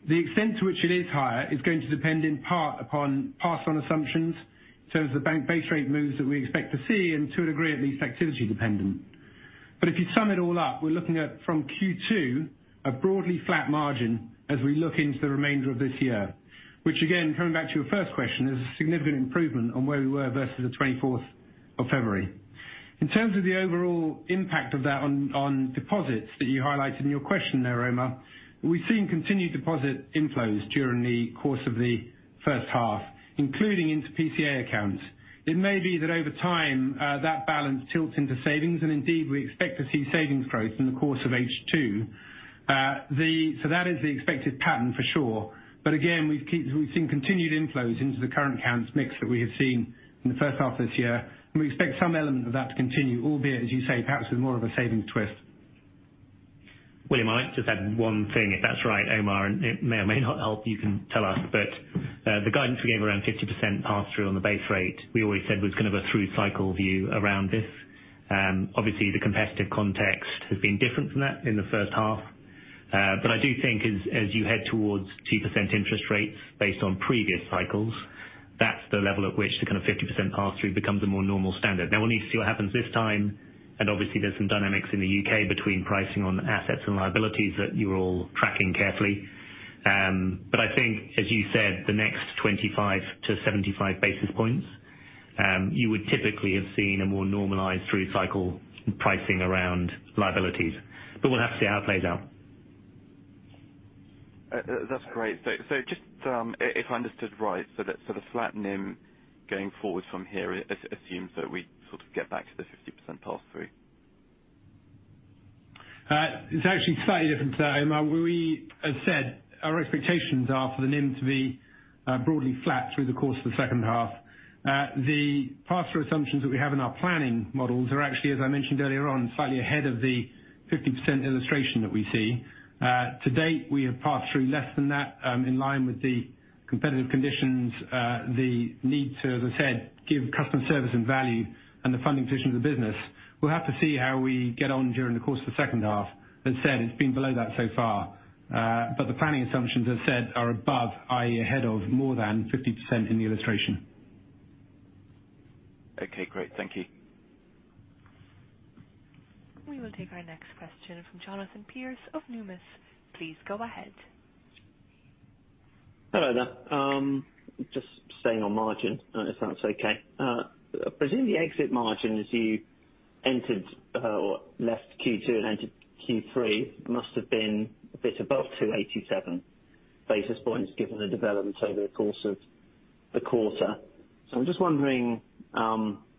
C: The extent to which it is higher is going to depend in part upon pass on assumptions in terms of the bank base rate moves that we expect to see and to a degree at least activity dependent. If you sum it all up, we're looking at from Q2 a broadly flat margin as we look into the remainder of this year, which again, coming back to your first question, is a significant improvement on where we were versus the twenty-fourth of February. In terms of the overall impact of that on deposits that you highlighted in your question there, Omar, we've seen continued deposit inflows during the course of the first half, including into PCA accounts. It may be that over time, that balance tilts into savings, and indeed, we expect to see savings growth in the course of H2. That is the expected pattern for sure. Again, we've seen continued inflows into the current accounts mix that we have seen in the first half of this year, and we expect some element of that to continue, albeit, as you say, perhaps with more of a savings twist.
B: William, I might just add one thing if that's all right, Omar, and it may or may not help, you can tell us. The guidance we gave around 50% pass through on the base rate, we always said was kind of a through cycle view around this. Obviously the competitive context has been different from that in the first half. I do think as you head towards 2% interest rates based on previous cycles, that's the level at which the kind of 50% pass through becomes a more normal standard. Now we'll need to see what happens this time. Obviously there's some dynamics in the UK between pricing on assets and liabilities that you're all tracking carefully. I think as you said, the next 25-75 basis points, you would typically have seen a more normalized through cycle pricing around liabilities. We'll have to see how it plays out.
E: That's great. Just if I understood right, the flat NIM going forward from here assumes that we sort of get back to the 50% pass through.
C: It's actually slightly different to that, Omar. We, as said, our expectations are for the NIM to be broadly flat through the course of the second half. The pass through assumptions that we have in our planning models are actually, as I mentioned earlier on, slightly ahead of the 50% illustration that we see. To date, we have passed through less than that, in line with the competitive conditions, the need to, as I said, give customer service and value and the funding position of the business. We'll have to see how we get on during the course of the second half. As I said, it's been below that so far. But the planning assumptions, as said, are above, i.e. ahead of more than 50% in the illustration.
E: Okay, great. Thank you.
A: We will take our next question from Jonathan Pierce of Numis. Please go ahead.
F: Hello there. Just staying on margin, if that's okay. Presumably exit margins you entered, or left Q2 and entered Q3 must have been a bit above 287 basis points given the development over the course of the quarter. I'm just wondering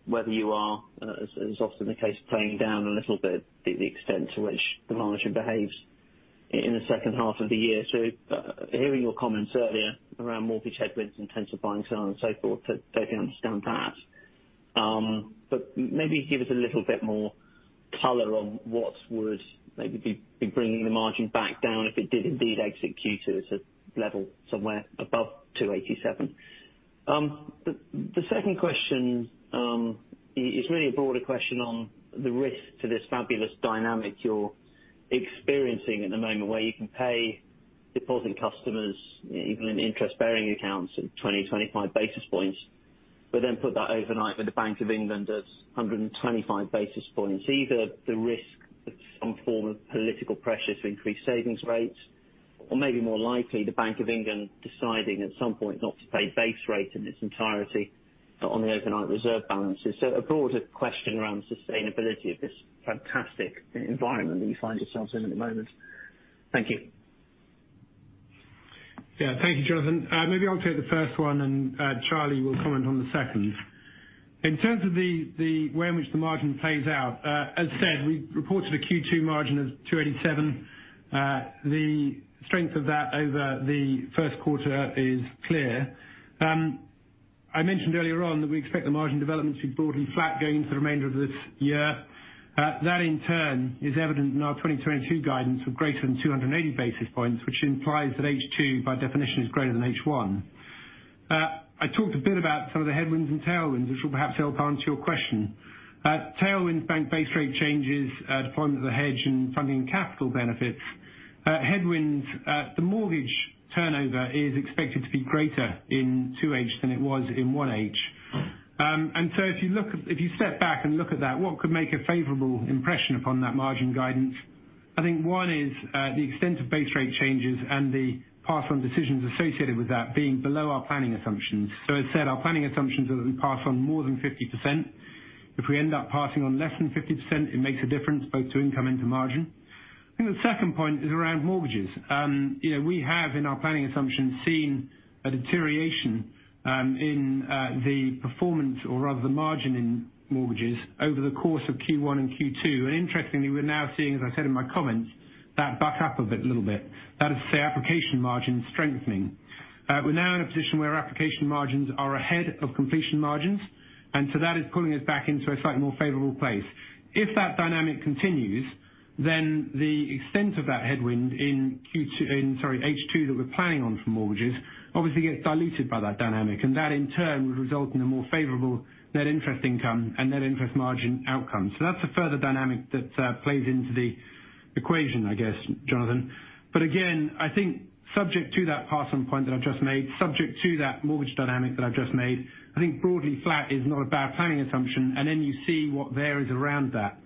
F: whether you are, as is often the case, playing down a little bit the extent to which the margin behaves in the second half of the year. Hearing your comments earlier around mortgage headwinds intensifying so on and so forth, totally understand that. But maybe give us a little bit more color on what would be bringing the margin back down if it did indeed execute to a level somewhere above 287. The second question is really a broader question on the risk to this fabulous dynamic you're experiencing at the moment where you can pay deposit customers, even in interest-bearing accounts of 20-25 basis points, but then put that overnight with the Bank of England as 125 basis points. Either the risk of some form of political pressure to increase savings rates or maybe more likely the Bank of England deciding at some point not to pay base rate in its entirety on the overnight reserve balances. A broader question around the sustainability of this fantastic environment that you find yourselves in at the moment. Thank you.
C: Yeah. Thank you, Jonathan. Maybe I'll take the first one, and Charlie will comment on the second. In terms of the way in which the margin plays out, as said, we reported a Q2 margin of 287. The strength of that over the first quarter is clear. I mentioned earlier on that we expect the margin development to be broadly flat going into the remainder of this year. That in turn is evident in our 2022 guidance of greater than 280 basis points, which implies that H2 by definition is greater than H1. I talked a bit about some of the headwinds and tailwinds, which will perhaps help answer your question. Tailwind bank base rate changes, deployment of the hedge and funding capital benefits. Headwinds, the mortgage turnover is expected to be greater in 2H than it was in 1H. If you step back and look at that, what could make a favorable impression upon that margin guidance? I think one is, the extent of base rate changes and the pass on decisions associated with that being below our planning assumptions. As I said, our planning assumptions are that we pass on more than 50%. If we end up passing on less than 50%, it makes a difference both to income and to margin. I think the second point is around mortgages. You know, we have in our planning assumptions seen a deterioration, in the performance or rather the margin in mortgages over the course of Q1 and Q2. Interestingly, we're now seeing, as I said in my comments, that backs up a bit, little bit. That is to say application margin strengthening. We're now in a position where application margins are ahead of completion margins, and so that is pulling us back into a slightly more favorable place. If that dynamic continues, then the extent of that headwind in Q2, sorry, H2 that we're planning on for mortgages obviously gets diluted by that dynamic, and that in turn would result in a more favorable net interest income and net interest margin outcome. That's a further dynamic that plays into the equation, I guess, Jonathan. But again, I think subject to that pass on point that I've just made, subject to that mortgage dynamic that I've just made, I think broadly flat is not a bad planning assumption. You see what varies around that.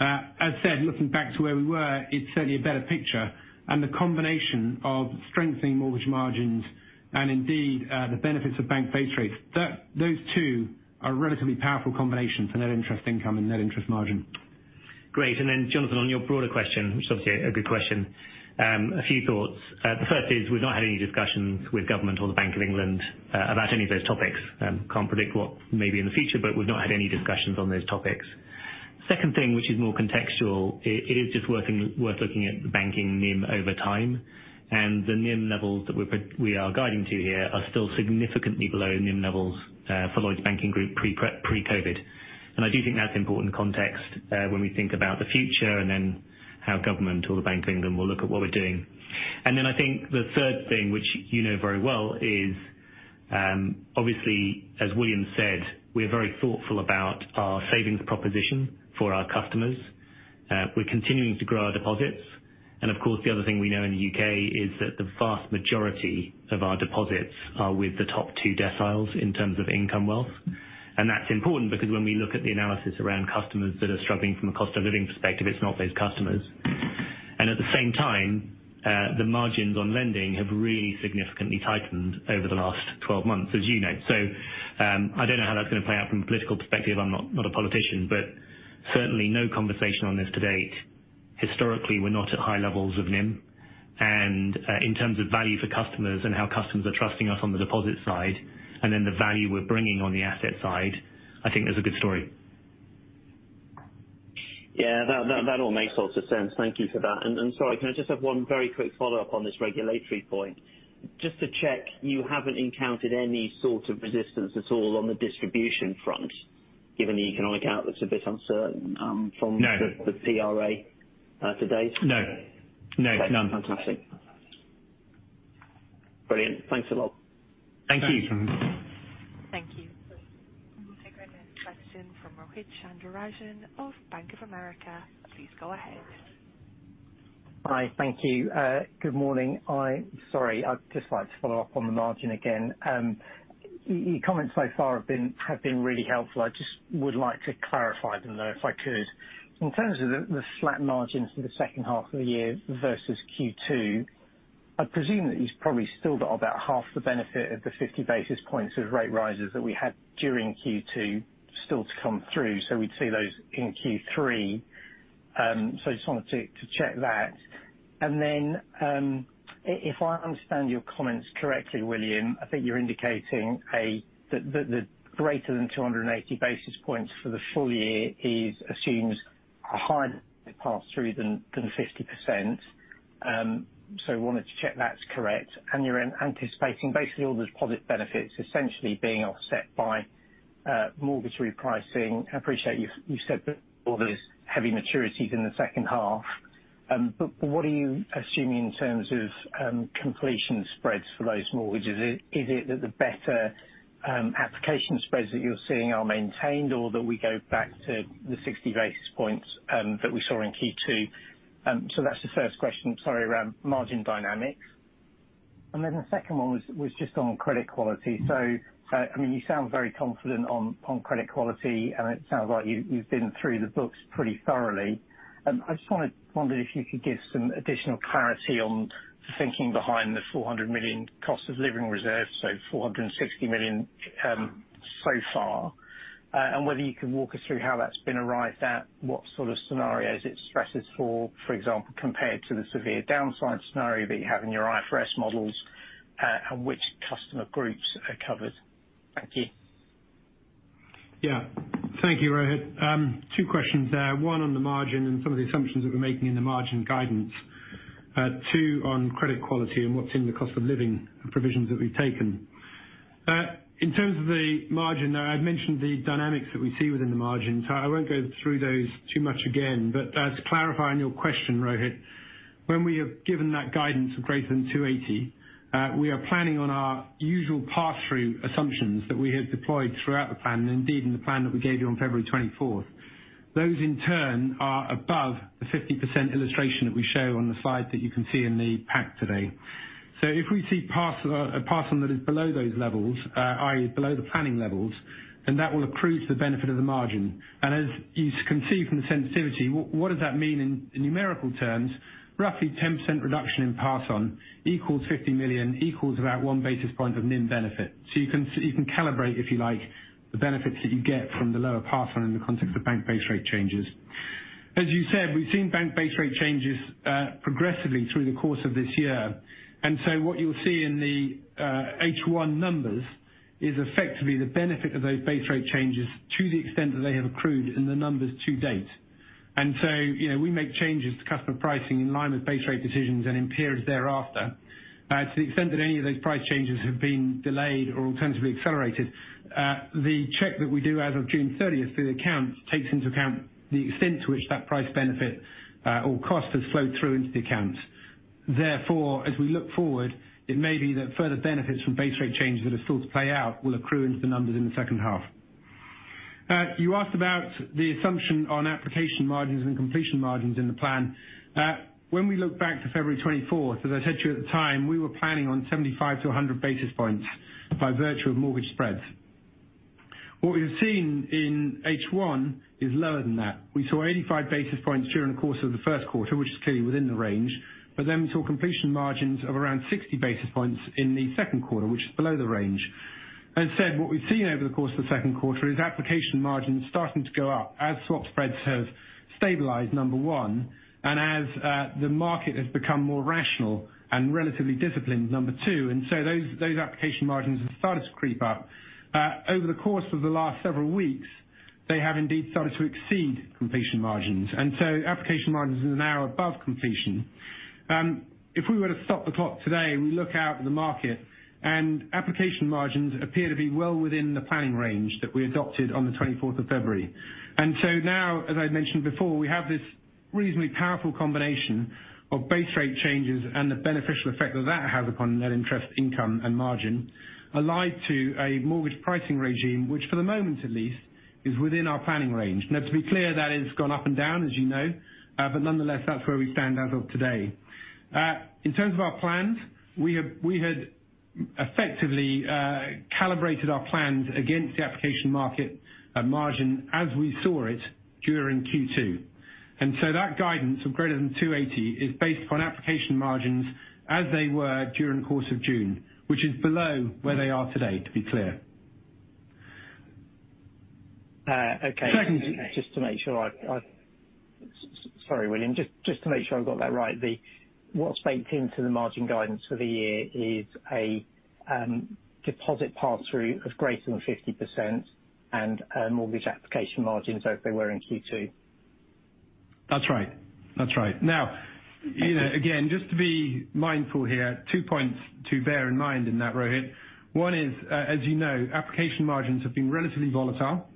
C: As said, looking back to where we were, it's certainly a better picture, and the combination of strengthening mortgage margins and indeed, the benefits of bank base rates, that, those two are a relatively powerful combination for net interest income and net interest margin.
B: Great. Then Jonathan, on your broader question, which is obviously a good question, a few thoughts. The first is we've not had any discussions with government or the Bank of England, about any of those topics. Can't predict what may be in the future, but we've not had any discussions on those topics. Second thing, which is more contextual, it is just worth looking at the banking NIM over time. The NIM levels that we are guiding to here are still significantly below NIM levels, for Lloyds Banking Group pre-COVID. I do think that's important context, when we think about the future and then how government or the Bank of England will look at what we're doing. I think the third thing, which you know very well is, obviously, as William said, we are very thoughtful about our savings proposition for our customers. We're continuing to grow our deposits. Of course, the other thing we know in the UK is that the vast majority of our deposits are with the top 2 deciles in terms of income wealth. That's important because when we look at the analysis around customers that are struggling from a cost of living perspective, it's not those customers. At the same time, the margins on lending have really significantly tightened over the last 12 months, as you know. I don't know how that's going to play out from a political perspective. I'm not a politician, but certainly no conversation on this to date. Historically, we're not at high levels of NIM. In terms of value for customers and how customers are trusting us on the deposit side and then the value we're bringing on the asset side, I think there's a good story.
F: Yeah, that all makes lots of sense. Thank you for that. Sorry, can I just have one very quick follow-up on this regulatory point? Just to check you haven't encountered any sort of resistance at all on the distribution front, given the economic outlook's a bit uncertain.
B: No.
F: From the PRA, to date?
B: No. No. None.
F: Fantastic. Brilliant. Thanks a lot.
B: Thank you.
A: Thank you. We'll take our next question from Rohith Chandra-Rajan of Bank of America. Please go ahead.
G: Good morning. Sorry, I'd just like to follow up on the margin again. Your comments so far have been really helpful. I just would like to clarify them, though, if I could. In terms of the flat margins for the second half of the year versus Q2, I presume that you've probably still got about half the benefit of the 50 basis points of rate rises that we had during Q2 still to come through, so we'd see those in Q3. I just wanted to check that. If I understand your comments correctly, William, I think you're indicating that the greater than 280 basis points for the full year assumes a higher pass-through than 50%. We wanted to check that's correct. You're anticipating basically all those deposit benefits essentially being offset by mortgage repricing. I appreciate you said that all those heavy maturities in the second half. But what are you assuming in terms of completion spreads for those mortgages? Is it that the better application spreads that you're seeing are maintained or that we go back to the 60 basis points that we saw in Q2? That's the first question, sorry, around margin dynamics. Then the second one was just on credit quality. I mean, you sound very confident on credit quality, and it sounds like you've been through the books pretty thoroughly. I just wondered if you could give some additional clarity on the thinking behind the 400 million cost of living reserves, so 460 million so far. Whether you can walk us through how that's been arrived at, what sort of scenarios it stresses for example, compared to the severe downside scenario that you have in your IFRS models, and which customer groups are covered. Thank you.
C: Yeah. Thank you, Rohith. Two questions there. One on the margin and some of the assumptions that we're making in the margin guidance. Two on credit quality and what's in the cost of living provisions that we've taken. In terms of the margin, now I've mentioned the dynamics that we see within the margin, so I won't go through those too much again. To clarify your question, Rohith, when we have given that guidance of greater than 280, we are planning on our usual pass-through assumptions that we have deployed throughout the plan, and indeed in the plan that we gave you on February twenty-fourth. Those in turn are above the 50% illustration that we show on the slide that you can see in the pack today. If we see pass, a pass on that is below those levels, i.e., below the planning levels, then that will accrue to the benefit of the margin. As you can see from the sensitivity, what does that mean in numerical terms? Roughly 10% reduction in pass on equals 50 million, equals about one basis point of NIM benefit. You can calibrate, if you like, the benefits that you get from the lower pass on in the context of bank base rate changes. As you said, we've seen bank base rate changes progressively through the course of this year. What you'll see in the H1 numbers is effectively the benefit of those base rate changes to the extent that they have accrued in the numbers to date. You know, we make changes to customer pricing in line with base rate decisions and in periods thereafter. To the extent that any of those price changes have been delayed or alternatively accelerated, the check that we do as of June 30th through the account takes into account the extent to which that price benefit or cost has flowed through into the account. Therefore, as we look forward, it may be that further benefits from base rate changes that are still to play out will accrue into the numbers in the second half. You asked about the assumption on application margins and completion margins in the plan. When we look back to February 24th, as I said to you at the time, we were planning on 75-100 basis points by virtue of mortgage spreads. What we've seen in H1 is lower than that. We saw 85 basis points during the course of the first quarter, which is clearly within the range. We saw completion margins of around 60 basis points in the second quarter, which is below the range. As I said, what we've seen over the course of the second quarter is application margins starting to go up as swap spreads have stabilized, number one, and as the market has become more rational and relatively disciplined, number two. Those application margins have started to creep up. Over the course of the last several weeks, they have indeed started to exceed completion margins. Application margins are now above completion. If we were to stop the clock today, we look out at the market and application margins appear to be well within the planning range that we adopted on the 24th of February. Now, as I mentioned before, we have this reasonably powerful combination of base rate changes and the beneficial effect that that has upon net interest income and margin allied to a mortgage pricing regime, which for the moment at least, is within our planning range. Now to be clear, that it's gone up and down, as you know. Nonetheless, that's where we stand as of today. In terms of our plans, we had effectively calibrated our plans against the application market margin as we saw it during Q2. That guidance of greater than 280 is based upon application margins as they were during the course of June, which is below where they are today, to be clear.
G: Okay.
C: Second-
G: Sorry, William. Just to make sure I've got that right. What's baked into the margin guidance for the year is a deposit pass-through of greater than 50% and mortgage application margins as they were in Q2.
C: That's right. Now, you know, again, just to be mindful here, two points to bear in mind in that, Rohith. One is, as you know, application margins have been relatively volatile, and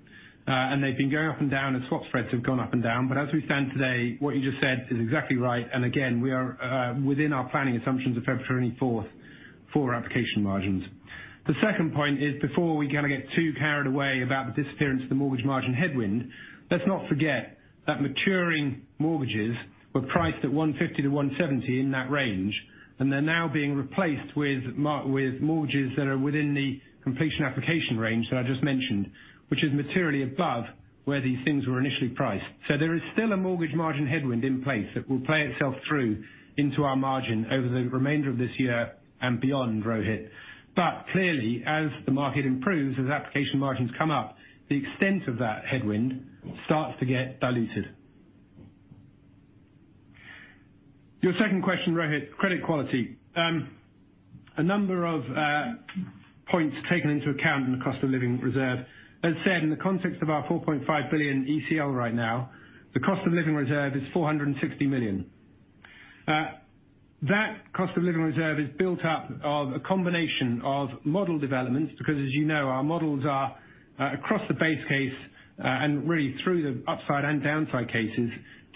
C: they've been going up and down as swap spreads have gone up and down. As we stand today, what you just said is exactly right. Again, we are, within our planning assumptions of February 24 for our application margins. The second point is before we kinda get too carried away about the disappearance of the mortgage margin headwind, let's not forget that maturing mortgages were priced at 150-170 in that range, and they're now being replaced with mortgages that are within the completion application range that I just mentioned, which is materially above where these things were initially priced. There is still a mortgage margin headwind in place that will play itself through into our margin over the remainder of this year and beyond, Rohith. Clearly, as the market improves, as application margins come up, the extent of that headwind starts to get diluted. Your second question, Rohith, credit quality. A number of points taken into account in the cost of living reserve. As said, in the context of our 4.5 billion ECL right now, the cost of living reserve is 460 million. That cost of living reserve is built up of a combination of model developments, because as you know, our models are across the base case, and really through the upside and downside cases,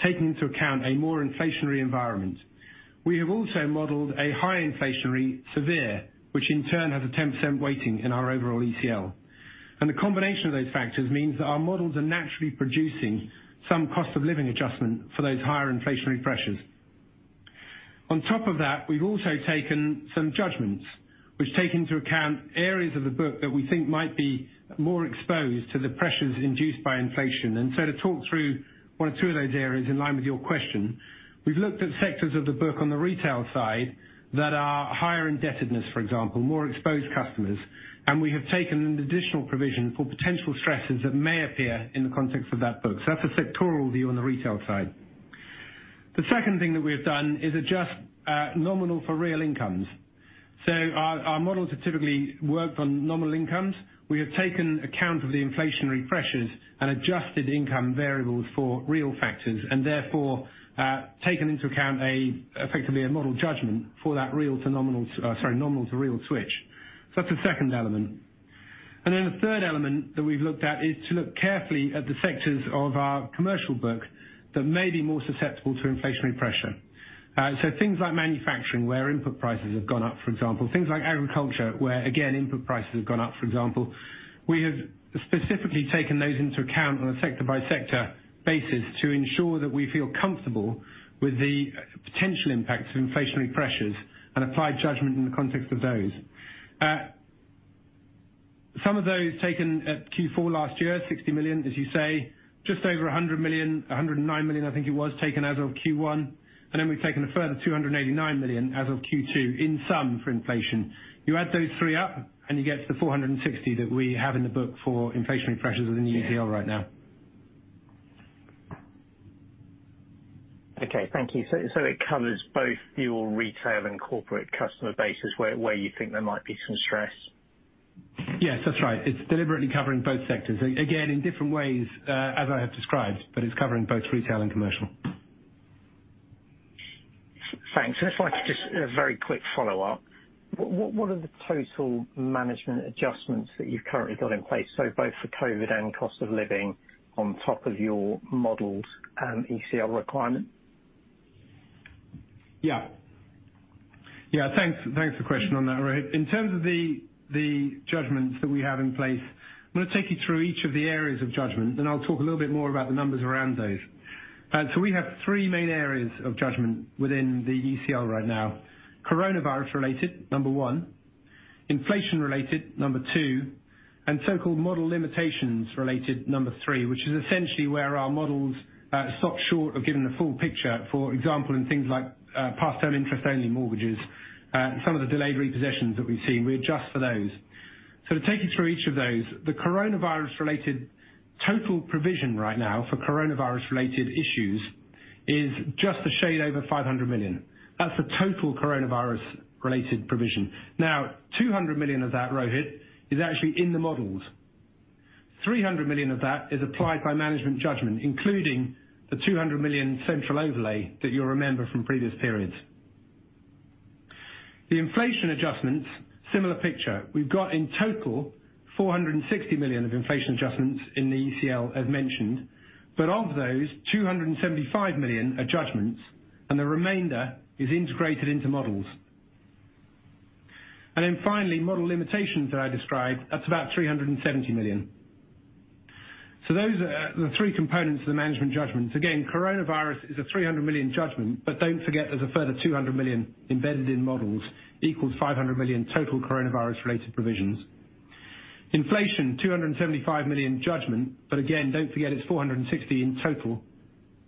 C: take into account a more inflationary environment. We have also modeled a high inflationary scenario, which in turn has a 10% weighting in our overall ECL. The combination of those factors means that our models are naturally producing some cost of living adjustment for those higher inflationary pressures. On top of that, we've also taken some judgments which take into account areas of the book that we think might be more exposed to the pressures induced by inflation. To talk through one or two of those areas in line with your question, we've looked at sectors of the book on the retail side that are higher indebtedness, for example, more exposed customers. We have taken an additional provision for potential stresses that may appear in the context of that book. That's a sectoral view on the retail side. The second thing that we have done is adjust nominal for real incomes. Our models are typically worked on nominal incomes. We have taken account of the inflationary pressures and adjusted income variables for real factors, and therefore, taken into account effectively, a model judgment for that real to nominal. Sorry, nominal to real switch. That's the second element. The third element that we've looked at is to look carefully at the sectors of our commercial book that may be more susceptible to inflationary pressure. Things like manufacturing, where input prices have gone up, for example. Things like agriculture, where again, input prices have gone up, for example. We have specifically taken those into account on a sector-by-sector basis to ensure that we feel comfortable with the potential impacts of inflationary pressures and applied judgment in the context of those. Some of those taken at Q4 last year, 60 million, as you say, just over 100 million, 109 million I think it was, taken as of Q1. Then we've taken a further 289 million as of Q2 in sum for inflation. You add those three up, and you get to the 460 million that we have in the book for inflationary pressures within ECL right now.
G: Okay. Thank you. It covers both your retail and corporate customer bases where you think there might be some stress?
C: Yes, that's right. It's deliberately covering both sectors. Again, in different ways, as I have described, but it's covering both retail and commercial.
G: Thanks. If I could just a very quick follow-up. What are the total management adjustments that you've currently got in place, so both for COVID and cost of living on top of your modeled ECL requirement?
C: Yeah. Thanks for the question on that, Rohith. In terms of the judgments that we have in place, I'm gonna take you through each of the areas of judgment, then I'll talk a little bit more about the numbers around those. We have three main areas of judgment within the ECL right now. Coronavirus related, number one. Inflation related, number two, and so-called model limitations related, number three, which is essentially where our models stop short of giving the full picture, for example, in things like part-term, interest-only mortgages, and some of the delayed repossessions that we've seen. We adjust for those. To take you through each of those, the coronavirus-related total provision right now for coronavirus-related issues is just a shade over 500 million. That's the total coronavirus-related provision. Now, 200 million of that, Rohith, is actually in the models. 300 million of that is applied by management judgment, including the 200 million central overlay that you'll remember from previous periods. The inflation adjustments, similar picture. We've got in total 460 million of inflation adjustments in the ECL as mentioned, but of those, 275 million are judgments, and the remainder is integrated into models. Then finally, model limitations that I described, that's about 370 million. Those are the three components of the management judgments. Again, coronavirus is a 300 million judgment, but don't forget there's a further 200 million embedded in models equals 500 million total coronavirus-related provisions. Inflation, 275 million judgment, but again, don't forget it's 460 million in total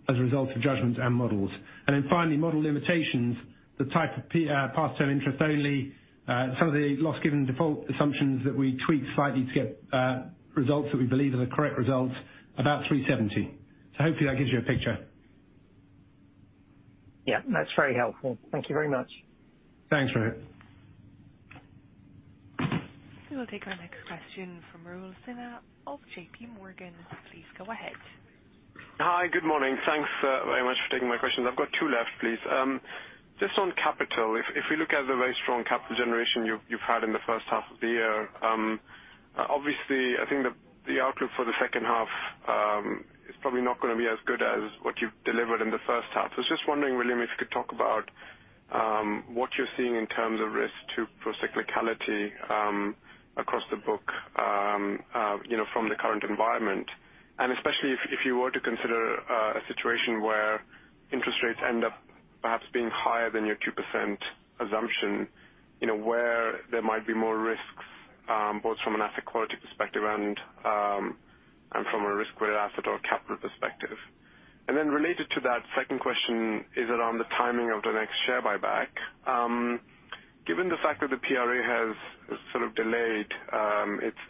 C: as a result of judgments and models. Then finally, model limitations, the type of part-term, interest-only, some of the loss given default assumptions that we tweaked slightly to get results that we believe are the correct results, about 370 million. Hopefully that gives you a picture.
G: Yeah. That's very helpful. Thank you very much.
C: Thanks, Rohith.
A: We will take our next question from Raul Sinha of J.P. Morgan. Please go ahead.
H: Hi. Good morning. Thanks very much for taking my questions. I've got two left, please. Just on capital. If we look at the very strong capital generation you've had in the first half of the year, obviously, I think the outlook for the second half is probably not gonna be as good as what you've delivered in the first half. I was just wondering, William, if you could talk about what you're seeing in terms of risk to procyclicality across the book, you know, from the current environment. And especially if you were to consider a situation where interest rates end up perhaps being higher than your 2% assumption, you know, where there might be more risks both from an asset quality perspective and from a risk-weighted asset or capital perspective. Related to that second question is around the timing of the next share buyback. Given the fact that the PRA has sort of delayed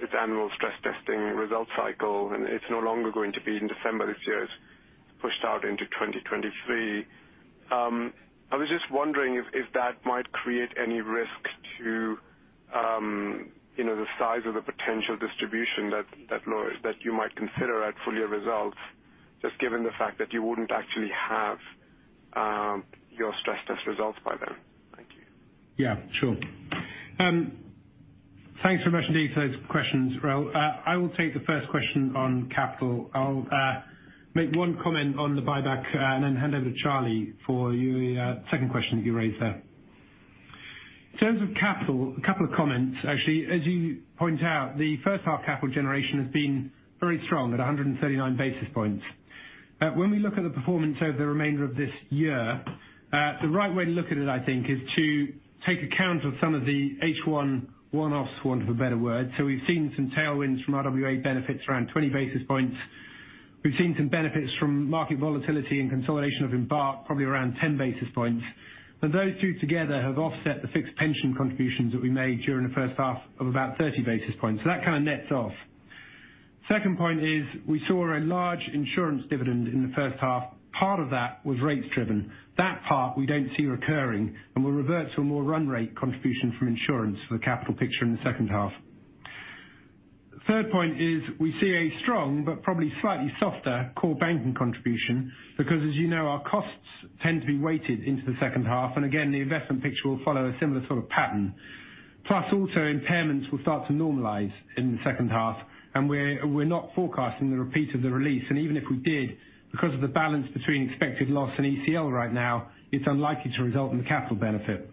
H: its annual stress testing results cycle, and it's no longer going to be in December this year. It's pushed out into 2023. I was just wondering if that might create any risk to, you know, the size of the potential distribution that you might consider at full year results, just given the fact that you wouldn't actually have your stress test results by then. Thank you.
C: Yeah, sure. Thanks very much indeed for those questions, Raul. I will take the first question on capital. I'll make one comment on the buyback, and then hand over to Charlie for your second question that you raised there. In terms of capital, a couple of comments. Actually, as you point out, the first half capital generation has been very strong at 139 basis points. When we look at the performance over the remainder of this year, the right way to look at it, I think, is to take account of some of the H1 one-offs, want of a better word. So we've seen some tailwinds from RWA benefits around 20 basis points. We've seen some benefits from market volatility and consolidation of Embark, probably around 10 basis points. Those two together have offset the fixed pension contributions that we made during the first half of about 30 basis points. So that kind of nets off. Second point is we saw a large insurance dividend in the first half. Part of that was rates driven. That part we don't see recurring, and we'll revert to a more run rate contribution from insurance for the capital picture in the second half. Third point is we see a strong but probably slightly softer core banking contribution because, as you know, our costs tend to be weighted into the second half, and again, the investment picture will follow a similar sort of pattern. Plus, also, impairments will start to normalize in the second half, and we're not forecasting the repeat of the release. Even if we did, because of the balance between expected loss and ECL right now, it's unlikely to result in the capital benefit.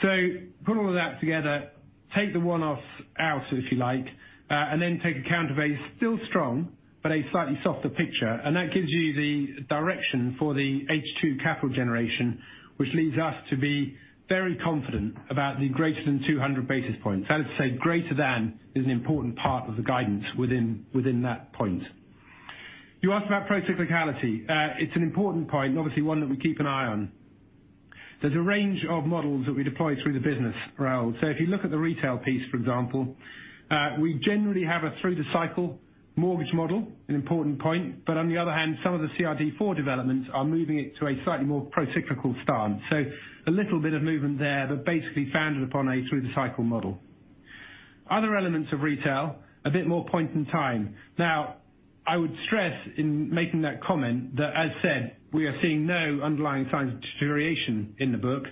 C: Put all of that together, take the one-offs out, if you like, and then take account of a still strong but a slightly softer picture, and that gives you the direction for the H2 capital generation, which leads us to be very confident about the greater than 200 basis points. That is to say greater than is an important part of the guidance within that point. You asked about procyclicality. It's an important point, obviously one that we keep an eye on. There's a range of models that we deploy through the business, Raul. If you look at the retail piece, for example, we generally have a through the cycle mortgage model, an important point. On the other hand, some of the CRD IV developments are moving it to a slightly more procyclical stance. A little bit of movement there, but basically founded upon a through the cycle model. Other elements of retail, a bit more point in time. Now, I would stress in making that comment that as said, we are seeing no underlying signs of deterioration in the book.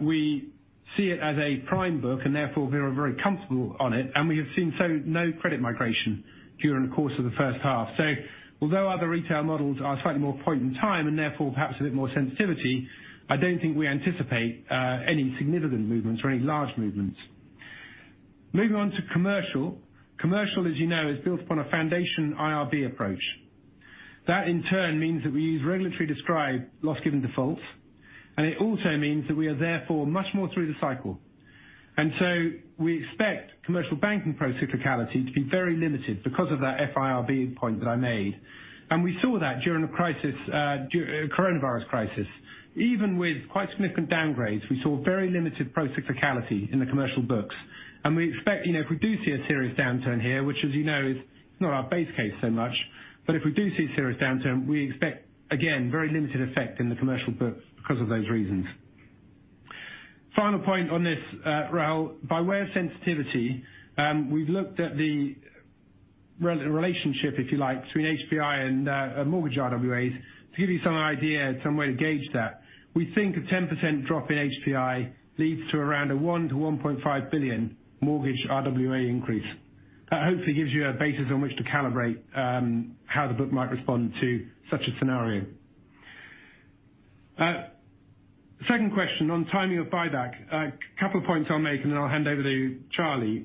C: We see it as a prime book and therefore we are very comfortable on it. We have seen no credit migration during the course of the first half. Although other retail models are slightly more point in time and therefore perhaps a bit more sensitivity, I don't think we anticipate any significant movements or any large movements. Moving on to commercial. Commercial, as you know, is built upon a foundation IRB approach. That in turn means that we use regulatory prescribed loss given defaults, and it also means that we are therefore much more through the cycle. We expect commercial banking procyclicality to be very limited because of that FIRB point that I made. We saw that during the Coronavirus crisis. Even with quite significant downgrades, we saw very limited procyclicality in the commercial books. We expect, you know, if we do see a serious downturn here, which as you know, is not our base case so much, but if we do see a serious downturn, we expect, again, very limited effect in the commercial books because of those reasons. Final point on this, Raul. By way of sensitivity, we've looked at the relationship, if you like, between HPI and mortgage RWAs to give you some idea and some way to gauge that. We think a 10% drop in HPI leads to around a 1-1.5 billion mortgage RWA increase. That hopefully gives you a basis on which to calibrate how the book might respond to such a scenario. Second question on timing of buyback. A couple points I'll make, and then I'll hand over to Charlie.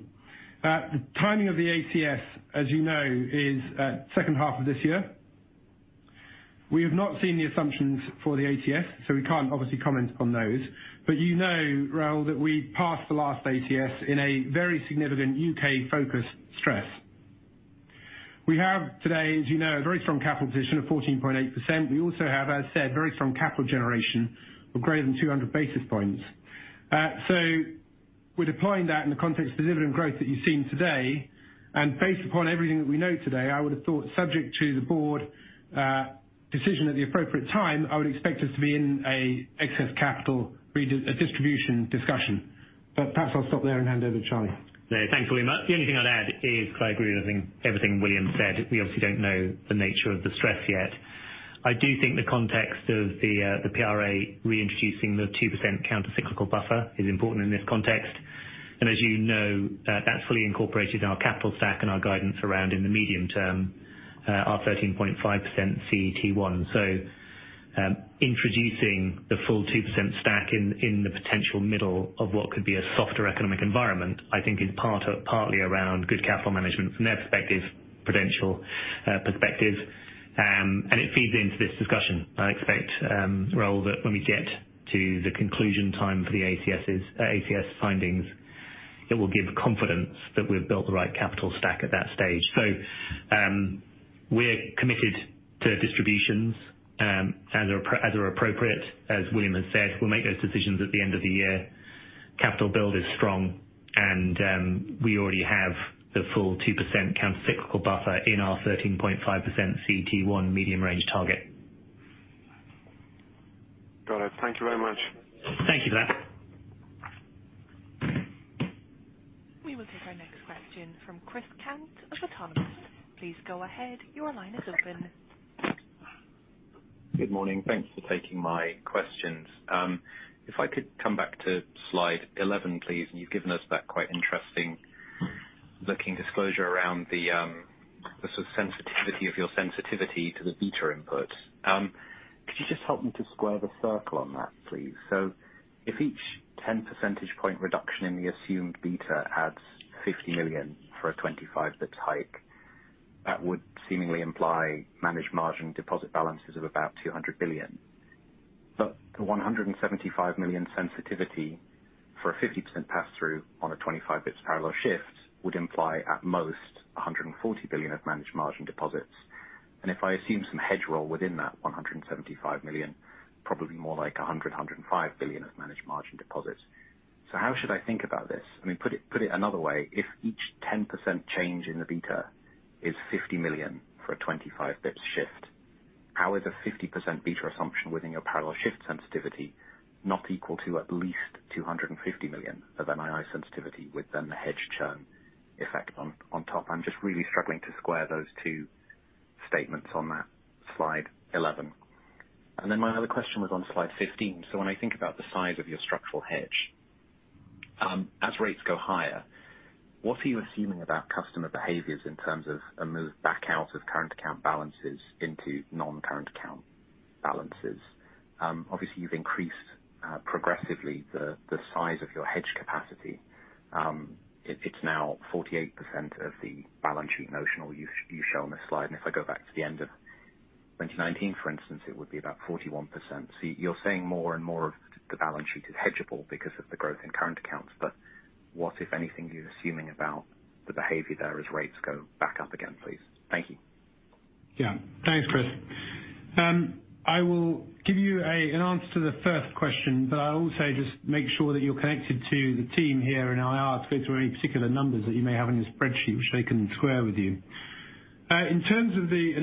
C: Timing of the ATS, as you know, is second half of this year. We have not seen the assumptions for the ATS, so we can't obviously comment on those. But you know, Raul, that we passed the last ATS in a very significant U.K.-focused stress. We have today, as you know, a very strong capital position of 14.8%. We also have, as I said, very strong capital generation of greater than 200 basis points. We're deploying that in the context of the dividend growth that you've seen today. Based upon everything that we know today, I would have thought, subject to the board decision at the appropriate time, I would expect us to be in an excess capital distribution discussion. Perhaps I'll stop there and hand over to Charlie.
B: No, thank you very much. The only thing I'd add is I agree with everything William said. We obviously don't know the nature of the stress yet. I do think the context of the PRA reintroducing the 2% countercyclical buffer is important in this context. As you know, that fully incorporated our capital stack and our guidance around in the medium term our 13.5% CET1. Introducing the full 2% stack in the potential middle of what could be a softer economic environment, I think is partly around good capital management from their perspective, Prudential perspective. It feeds into this discussion. I expect, Raul, that when we get to the conclusion time for the ACS findings. It will give confidence that we've built the right capital stack at that stage. We're committed to distributions, as are appropriate. As William has said, we'll make those decisions at the end of the year. Capital build is strong and we already have the full 2% countercyclical buffer in our 13.5% CET1 medium range target.
H: Got it. Thank you very much.
B: Thank you for that.
A: We will take our next question from Chris Cant of Autonomous. Please go ahead. Your line is open.
I: Good morning. Thanks for taking my questions. If I could come back to slide 11, please, and you've given us that quite interesting looking disclosure around the sort of sensitivity of your sensitivity to the beta input. Could you just help me to square the circle on that, please? If each 10 percentage point reduction in the assumed beta adds 50 million for a 25 bits hike, that would seemingly imply managed margin deposit balances of about 200 billion. The 175 million sensitivity for a 50% pass-through on a 25 bits parallel shift would imply at most 140 billion of managed margin deposits. If I assume some hedge roll within that 175 million, probably more like 105 billion of managed margin deposits. How should I think about this? I mean, put it another way, if each 10% change in the beta is 50 million for a 25 basis points shift, how is a 50% beta assumption within your parallel shift sensitivity not equal to at least 250 million of NII sensitivity with the hedge churn effect on top? I'm just really struggling to square those two statements on that slide 11. My other question was on slide 15. When I think about the size of your structural hedge, as rates go higher, what are you assuming about customer behaviors in terms of a move back out of current account balances into non-current account balances? Obviously you've increased progressively the size of your hedge capacity. It's now 48% of the balance sheet notional you show on this slide, and if I go back to the end of 2019, for instance, it would be about 41%. You're saying more and more of the balance sheet is hedgeable because of the growth in current accounts. What, if anything, are you assuming about the behavior there as rates go back up again, please? Thank you.
C: Yeah. Thanks, Chris. I will give you an answer to the first question, but I'll also just make sure that you're connected to the team here in IR to go through any particular numbers that you may have in your spreadsheet, which they can square with you. In terms of the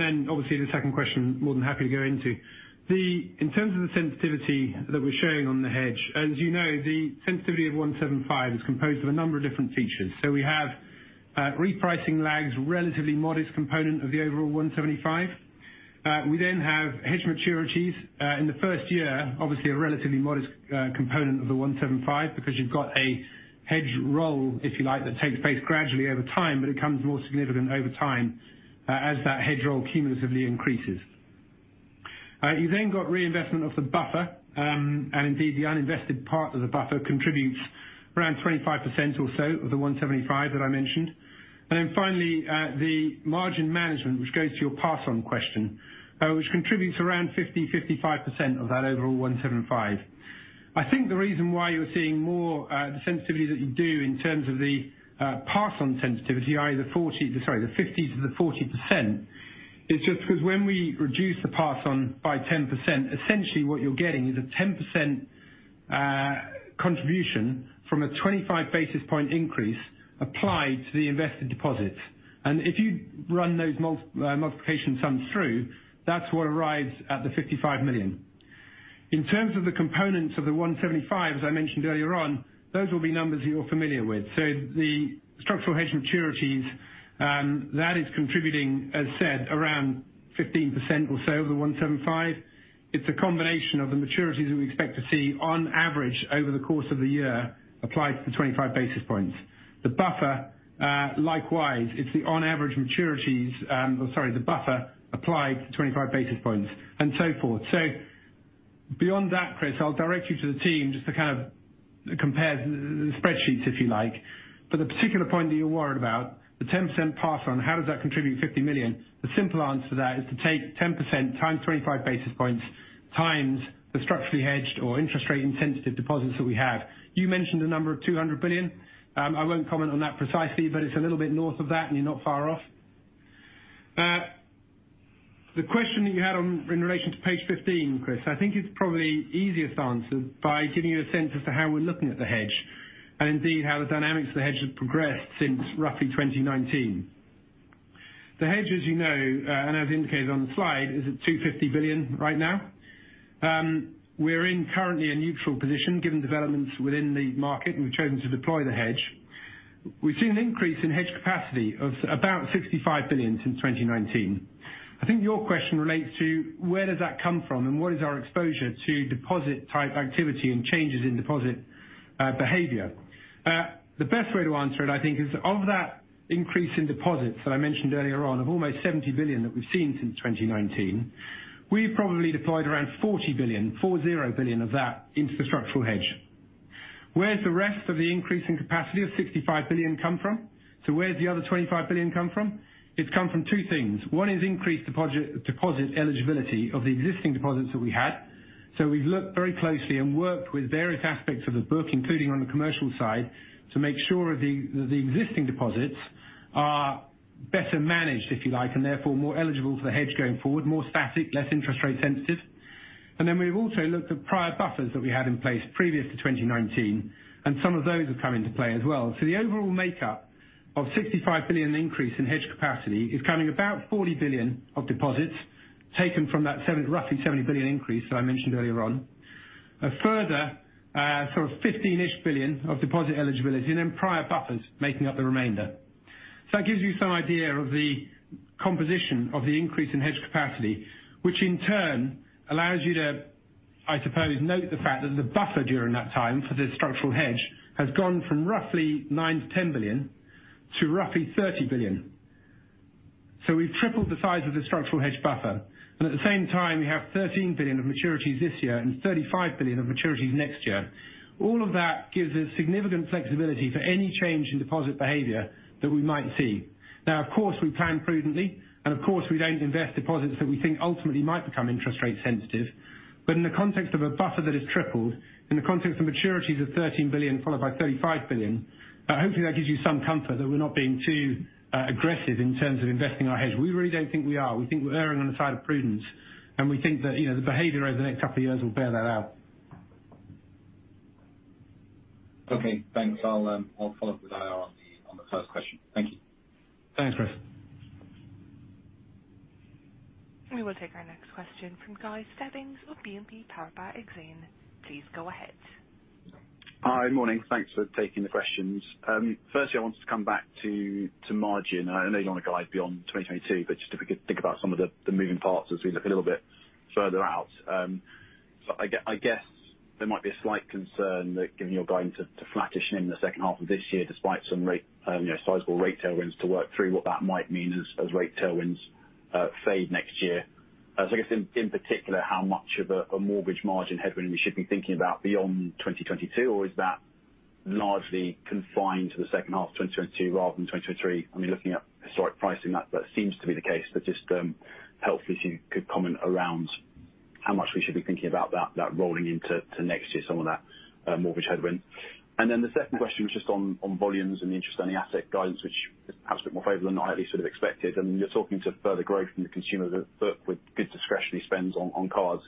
C: second question, more than happy to go into. In terms of the sensitivity that we're showing on the hedge, as you know, the sensitivity of 175 is composed of a number of different features. So we have repricing lags, relatively modest component of the overall 175. We then have hedge maturities in the first year. Obviously, a relatively modest component of the 175, because you've got a hedge roll, if you like, that takes place gradually over time, but it becomes more significant over time, as that hedge roll cumulatively increases. You've then got reinvestment of the buffer. Indeed, the uninvested part of the buffer contributes around 25% or so of the 175 that I mentioned. Finally, the margin management, which goes to your pass on question, which contributes around 50-55% of that overall 175. I think the reason why you're seeing more the sensitivity that you do in terms of the pass on sensitivity, i.e. The 50%-40% is just 'cause when we reduce the pass on by 10%, essentially what you're getting is a 10% contribution from a 25 basis point increase applied to the invested deposits. If you run those multiplication sums through, that's what arrives at the 55 million. In terms of the components of the 175 million, as I mentioned earlier on, those will be numbers that you're familiar with. The structural hedge maturities, that is contributing, as said, around 15% or so of the 175 million. It's a combination of the maturities that we expect to see on average over the course of the year applied to the 25 basis points. The buffer, likewise, it's the on average maturities, the buffer applied to 25 basis points and so forth. Beyond that, Chris, I'll direct you to the team just to kind of compare the spreadsheets if you like. The particular point that you're worried about, the 10% pass on, how does that contribute 50 million? The simple answer to that is to take 10% times 25 basis points times the structurally hedged or interest rate insensitive deposits that we have. You mentioned the number of 200 billion. I won't comment on that precisely, but it's a little bit north of that, and you're not far off. The question that you had in relation to page 15, Chris, I think it's probably easiest answered by giving you a sense as to how we're looking at the hedge and indeed how the dynamics of the hedge has progressed since roughly 2019. The hedge, as you know, and as indicated on the slide, is at 250 billion right now. We're in currently a neutral position given developments within the market, and we've chosen to deploy the hedge. We've seen an increase in hedge capacity of about 65 billion since 2019. I think your question relates to where does that come from and what is our exposure to deposit type activity and changes in deposit behavior. The best way to answer it, I think, is of that increase in deposits that I mentioned earlier on, of almost 70 billion that we've seen since 2019, we've probably deployed around 40 billion, 40 billion of that into the structural hedge. Where's the rest of the increase in capacity of 65 billion come from? So where's the other 25 billion come from? It's come from two things. One is increased deposit eligibility of the existing deposits that we had. We've looked very closely and worked with various aspects of the book, including on the commercial side, to make sure the existing deposits are better managed, if you like, and therefore more eligible for the hedge going forward. More static, less interest rate sensitive. Then we've also looked at prior buffers that we had in place previous to 2019, and some of those have come into play as well. The overall makeup of 65 billion increase in hedge capacity is coming about 40 billion of deposits taken from that roughly 70 billion increase that I mentioned earlier on. A further 15-ish billion of deposit eligibility and then prior buffers making up the remainder. That gives you some idea of the composition of the increase in hedge capacity, which in turn allows you to, I suppose, note the fact that the buffer during that time for this structural hedge has gone from roughly 9-10 billion to roughly 30 billion. We've tripled the size of the structural hedge buffer, and at the same time we have 13 billion of maturities this year and 35 billion of maturities next year. All of that gives us significant flexibility for any change in deposit behavior that we might see. Now, of course we plan prudently, and of course we don't invest deposits that we think ultimately might become interest rate sensitive. In the context of a buffer that has tripled, in the context of maturities of 13 billion followed by 35 billion, hopefully that gives you some comfort that we're not being too, aggressive in terms of investing our hedge. We really don't think we are. We think we're erring on the side of prudence, and we think that, you know, the behavior over the next couple of years will bear that out.
I: Okay, thanks. I'll follow up with IR on the first question. Thank you.
C: Thanks, Chris.
A: We will take our next question from Guy Stebbings of BNP Paribas Exane. Please go ahead.
J: Hi. Morning. Thanks for taking the questions. Firstly I wanted to come back to margin. I know you want to guide beyond 2022, but just if we could think about some of the moving parts as we look a little bit further out. So I guess there might be a slight concern that given your guidance to flattish NIM in the second half of this year, despite some rate, you know, sizable rate tailwinds to work through, what that might mean as rate tailwinds fade next year. I guess in particular, how much of a mortgage margin headwind we should be thinking about beyond 2022, or is that largely confined to the second half of 2022 rather than 2023? I mean, looking at historic pricing, that seems to be the case. Just helpful if you could comment around how much we should be thinking about that rolling into next year, some of that mortgage headwind. Then the second question was just on volumes and the interest on the asset guidance, which is perhaps a bit more favorable than I at least would have expected. You're talking to further growth in the consumer with good discretionary spends on cards.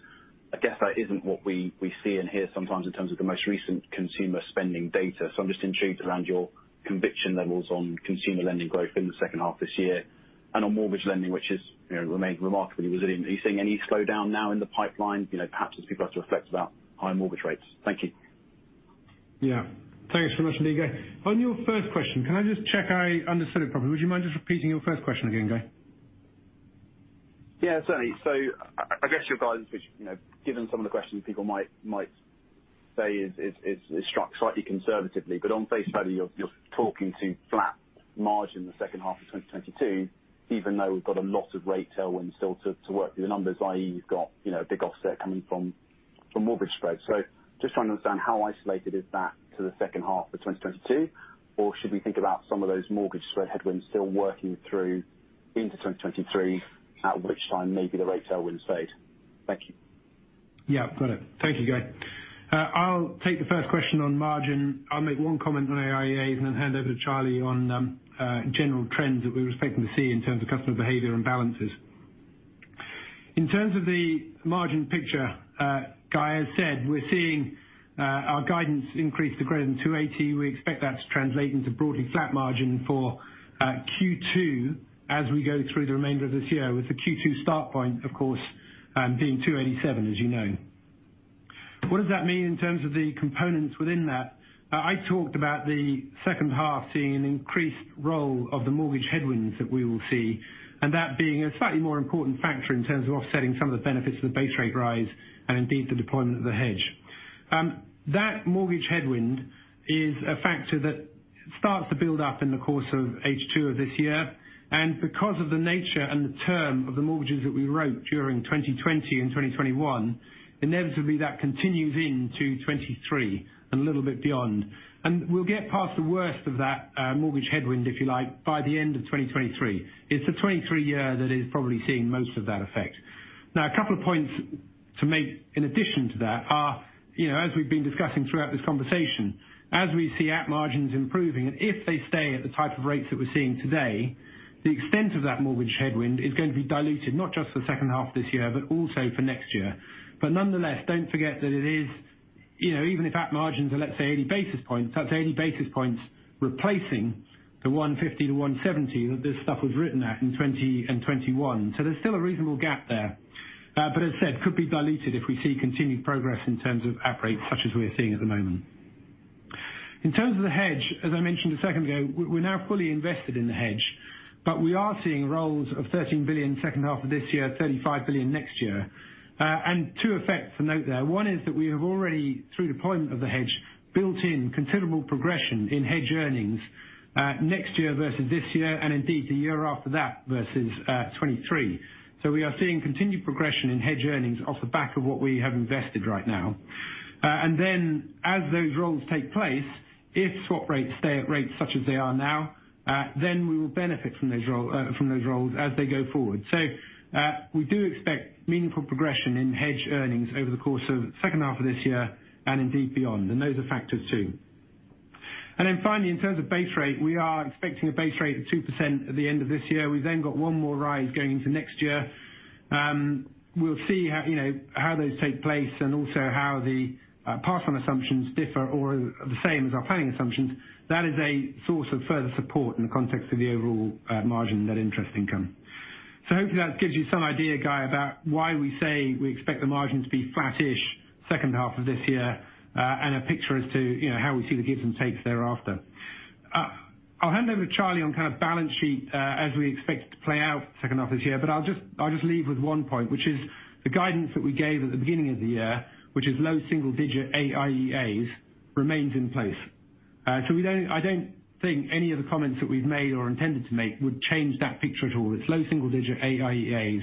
J: I guess that isn't what we see and hear sometimes in terms of the most recent consumer spending data. I'm just intrigued around your conviction levels on consumer lending growth in the second half this year and on mortgage lending, which you know remains remarkably resilient. Are you seeing any slowdown now in the pipeline? You know, perhaps as people have to reflect about higher mortgage rates. Thank you.
C: Yeah. Thanks so much, Guy. On your first question, can I just check I understood it properly? Would you mind just repeating your first question again, Guy?
J: Yeah, certainly. I guess your guidance which, you know, given some of the questions people might say is struck slightly conservatively. On face value you're talking to flat margin in the second half of 2022, even though we've got a lot of rate tailwind still to work through the numbers. i.e., you've got, you know, a big offset coming from mortgage spreads. Just to understand how isolated is that to the second half of 2022? Should we think about some of those mortgage spread headwinds still working through into 2023, at which time maybe the rate tailwinds fade. Thank you.
C: Yeah. Got it. Thank you, Guy. I'll take the first question on margin. I'll make one comment on AIA and then hand over to Charlie on general trends that we're expecting to see in terms of customer behavior and balances. In terms of the margin picture, Guy, as said, we're seeing our guidance increase to greater than 2.80%. We expect that to translate into broadly flat margin for Q2 as we go through the remainder of this year, with the Q2 start point of course being 2.87% as you know. What does that mean in terms of the components within that? I talked about the second half seeing an increased role of the mortgage headwinds that we will see, and that being a slightly more important factor in terms of offsetting some of the benefits of the base rate rise and indeed the deployment of the hedge. That mortgage headwind is a factor that starts to build up in the course of H2 of this year. Because of the nature and the term of the mortgages that we wrote during 2020 and 2021, inevitably that continues into 2023 and a little bit beyond. We'll get past the worst of that mortgage headwind, if you like, by the end of 2023. It's the 2023 year that is probably seeing most of that effect. Now, a couple of points to make in addition to that are, you know, as we've been discussing throughout this conversation, as we see NIM improving, and if they stay at the type of rates that we're seeing today, the extent of that mortgage headwind is going to be diluted not just for the second half this year, but also for next year. Nonetheless, don't forget that it is, you know, even if NIM are, let's say 80 basis points, that's 80 basis points replacing the 150-170 that this stuff was written at in 2020 and 2021. There's still a reasonable gap there. As said, could be diluted if we see continued progress in terms of interest rates such as we're seeing at the moment. In terms of the hedge, as I mentioned a second ago, we're now fully invested in the hedge, but we are seeing rolls of 13 billion second half of this year, 35 billion next year. Two effects to note there. One is that we have already, through deployment of the hedge, built in considerable progression in hedge earnings next year versus this year, and indeed the year after that versus 2023. We are seeing continued progression in hedge earnings off the back of what we have invested right now. Then as those rolls take place, if swap rates stay at rates such as they are now, then we will benefit from those rolls as they go forward. We do expect meaningful progression in hedge earnings over the course of second half of this year and indeed beyond. Those are factors too. Finally, in terms of base rate, we are expecting a base rate of 2% at the end of this year. We've then got one more rise going into next year. We'll see how, you know, how those take place and also how the pass on assumptions differ or are the same as our planning assumptions. That is a source of further support in the context of the overall margin net interest income. Hopefully that gives you some idea, Guy, about why we say we expect the margin to be flattish second half of this year, and a picture as to, you know, how we see the gives and takes thereafter. I'll hand over to Charlie on kind of balance sheet as we expect it to play out second half this year, but I'll just leave with one point, which is the guidance that we gave at the beginning of the year, which is low single digit AIEAs remains in place. So we don't I don't think any of the comments that we've made or intended to make would change that picture at all. It's low single digit AIEAs,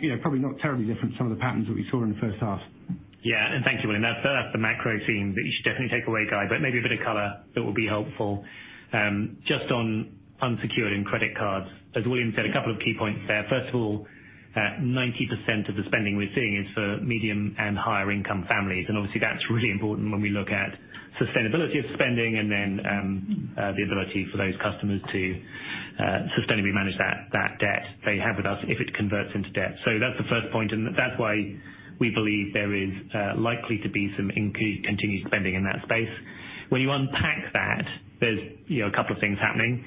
C: you know, probably not terribly different to some of the patterns that we saw in the first half.
B: Yeah. Thank you, William. That's the macro theme that you should definitely take away, Guy. Maybe a bit of color that will be helpful. Just on unsecured and credit cards, as William said, a couple of key points there. First of all, 90% of the spending we're seeing is for medium and higher income families. Obviously that's really important when we look at sustainability of spending and then the ability for those customers to sustainably manage that debt they have with us if it converts into debt. That's the first point, and that's why we believe there is likely to be some continued spending in that space. When you unpack that, there's a couple of things happening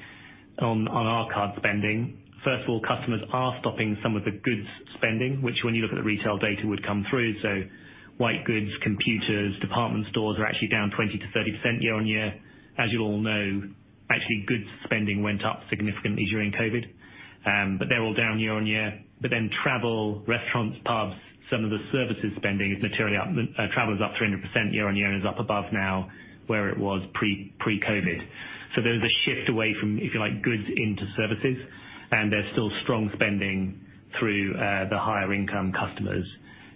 B: on our card spending. First of all, customers are stopping some of the goods spending, which when you look at the retail data would come through. White goods, computers, department stores are actually down 20%-30% year-on-year. As you all know, actually, goods spending went up significantly during COVID. But they're all down year-on-year. Travel, restaurants, pubs, some of the services spending is materially up. Travel is up 300% year-on-year and is up above now where it was pre-COVID. There is a shift away from, if you like, goods into services, and there's still strong spending through the higher income customers.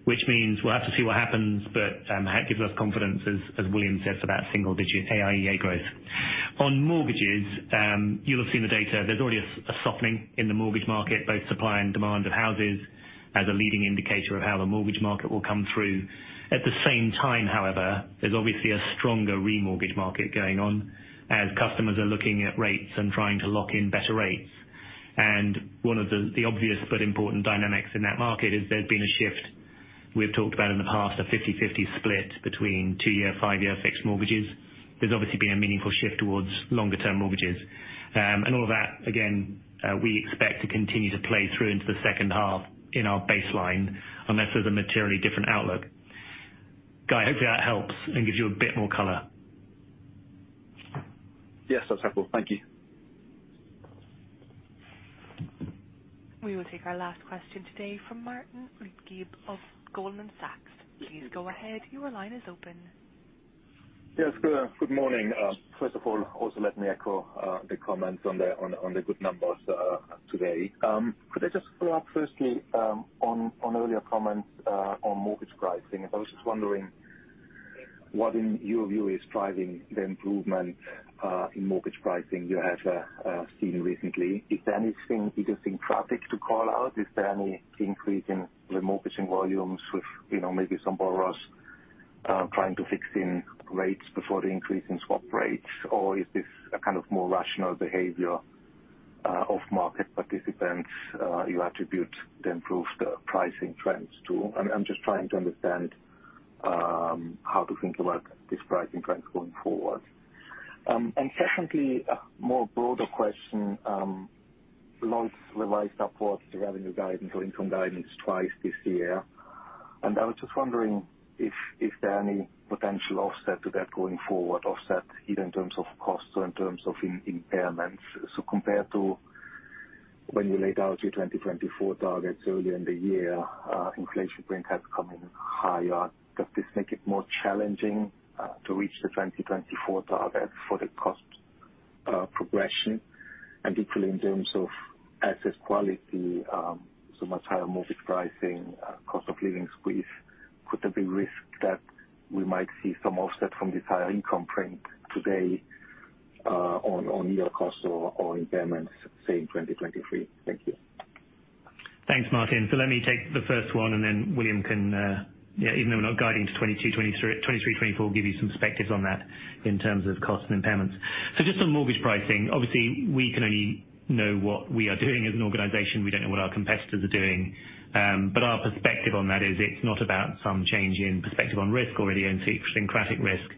B: Which means we'll have to see what happens, but that gives us confidence, as William says, about single-digit AIEA growth. On mortgages, you'll have seen the data. There's already a softening in the mortgage market, both supply and demand of houses as a leading indicator of how the mortgage market will come through. At the same time, however, there's obviously a stronger remortgage market going on as customers are looking at rates and trying to lock in better rates. One of the obvious but important dynamics in that market is there's been a shift we've talked about in the past, a 50/50 split between 2-year, 5-year fixed mortgages. There's obviously been a meaningful shift towards longer term mortgages. All of that, again, we expect to continue to play through into the second half in our baseline, unless there's a materially different outlook. Guy, hopefully that helps and gives you a bit more color.
J: Yes, that's helpful. Thank you.
A: We will take our last question today from Martin Leitgeb of Goldman Sachs. Please go ahead. Your line is open.
K: Good morning. First of all, also let me echo the comments on the good numbers today. Could I just follow up firstly on earlier comments on mortgage pricing? I was just wondering what in your view is driving the improvement in mortgage pricing you have seen recently. Is there anything interesting traffic to call out? Is there any increase in remortgaging volumes with, you know, maybe some borrowers trying to fix in rates before the increase in swap rates? Or is this a kind of more rational behavior of market participants you attribute the improved pricing trends to? I'm just trying to understand how to think about these pricing trends going forward. Secondly, a more broader question. Lloyds revised upwards the revenue guidance or income guidance twice this year. I was just wondering if is there any potential offset to that going forward, offset either in terms of costs or in terms of impairments? Compared to when you laid out your 2024 targets earlier in the year, inflation print has come in higher. Does this make it more challenging to reach the 2024 target for the cost progression? Equally in terms of asset quality, so much higher mortgage pricing, cost of living squeeze. Could there be risk that we might see some offset from this higher income print today, on ongoing costs or impairments, say in 2023? Thank you.
B: Thanks, Martin. Let me take the first one, and then William can, yeah, even though we're not guiding to 2022, 2023, 2024, give you some perspectives on that in terms of cost and impairments. Just on mortgage pricing, obviously we can only know what we are doing as an organization. We don't know what our competitors are doing. Our perspective on that is it's not about some change in perspective on risk or any idiosyncratic risk.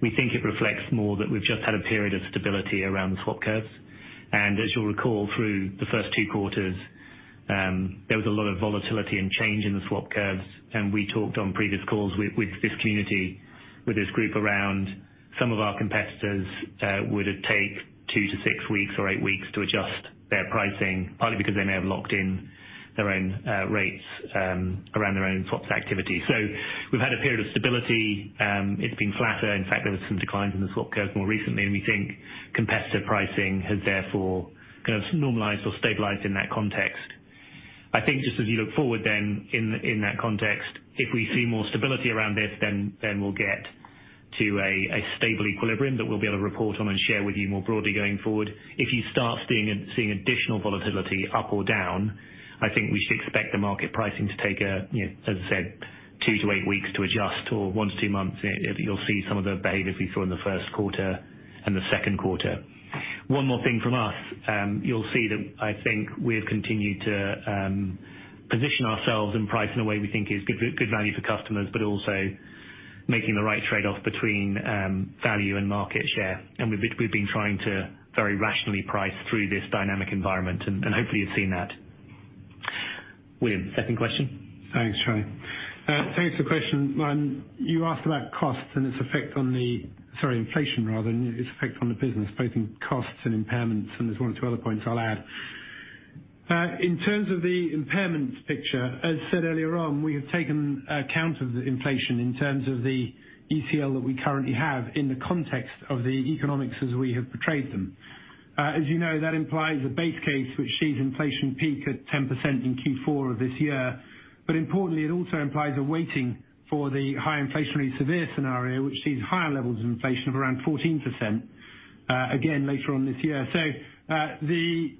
B: We think it reflects more that we've just had a period of stability around the swap curves. As you'll recall through the first two quarters, there was a lot of volatility and change in the swap curves. We talked on previous calls with this community, with this group around some of our competitors would take 2-6 weeks or 8 weeks to adjust their pricing, partly because they may have locked in their own rates around their own swaps activity. We've had a period of stability. It's been flatter. In fact, there was some declines in the swap curve more recently, and we think competitor pricing has therefore kind of normalized or stabilized in that context. I think just as you look forward then in that context, if we see more stability around this, then we'll get to a stable equilibrium that we'll be able to report on and share with you more broadly going forward. If you start seeing additional volatility up or down, I think we should expect the market pricing to take a, you know, as I said, 2-8 weeks to adjust or 1-2 months. You'll see some of the behavior we saw in the first quarter and the second quarter. One more thing from us. You'll see that I think we have continued to position ourselves and price in a way we think is good value for customers, but also making the right trade-off between value and market share. We've been trying to very rationally price through this dynamic environment and hopefully you've seen that. William, second question.
C: Thanks, Charlie. Thanks for the question. Sorry, you asked about inflation rather than its effect on the business, both in costs and impairments, and there's one or two other points I'll add. In terms of the impairments picture, as said earlier on, we have taken account of the inflation in terms of the ECL that we currently have in the context of the economics as we have portrayed them. As you know, that implies a base case which sees inflation peak at 10% in Q4 of this year. Importantly, it also implies a weighting for the high inflationary severe scenario, which sees higher levels of inflation of around 14%, again later on this year. The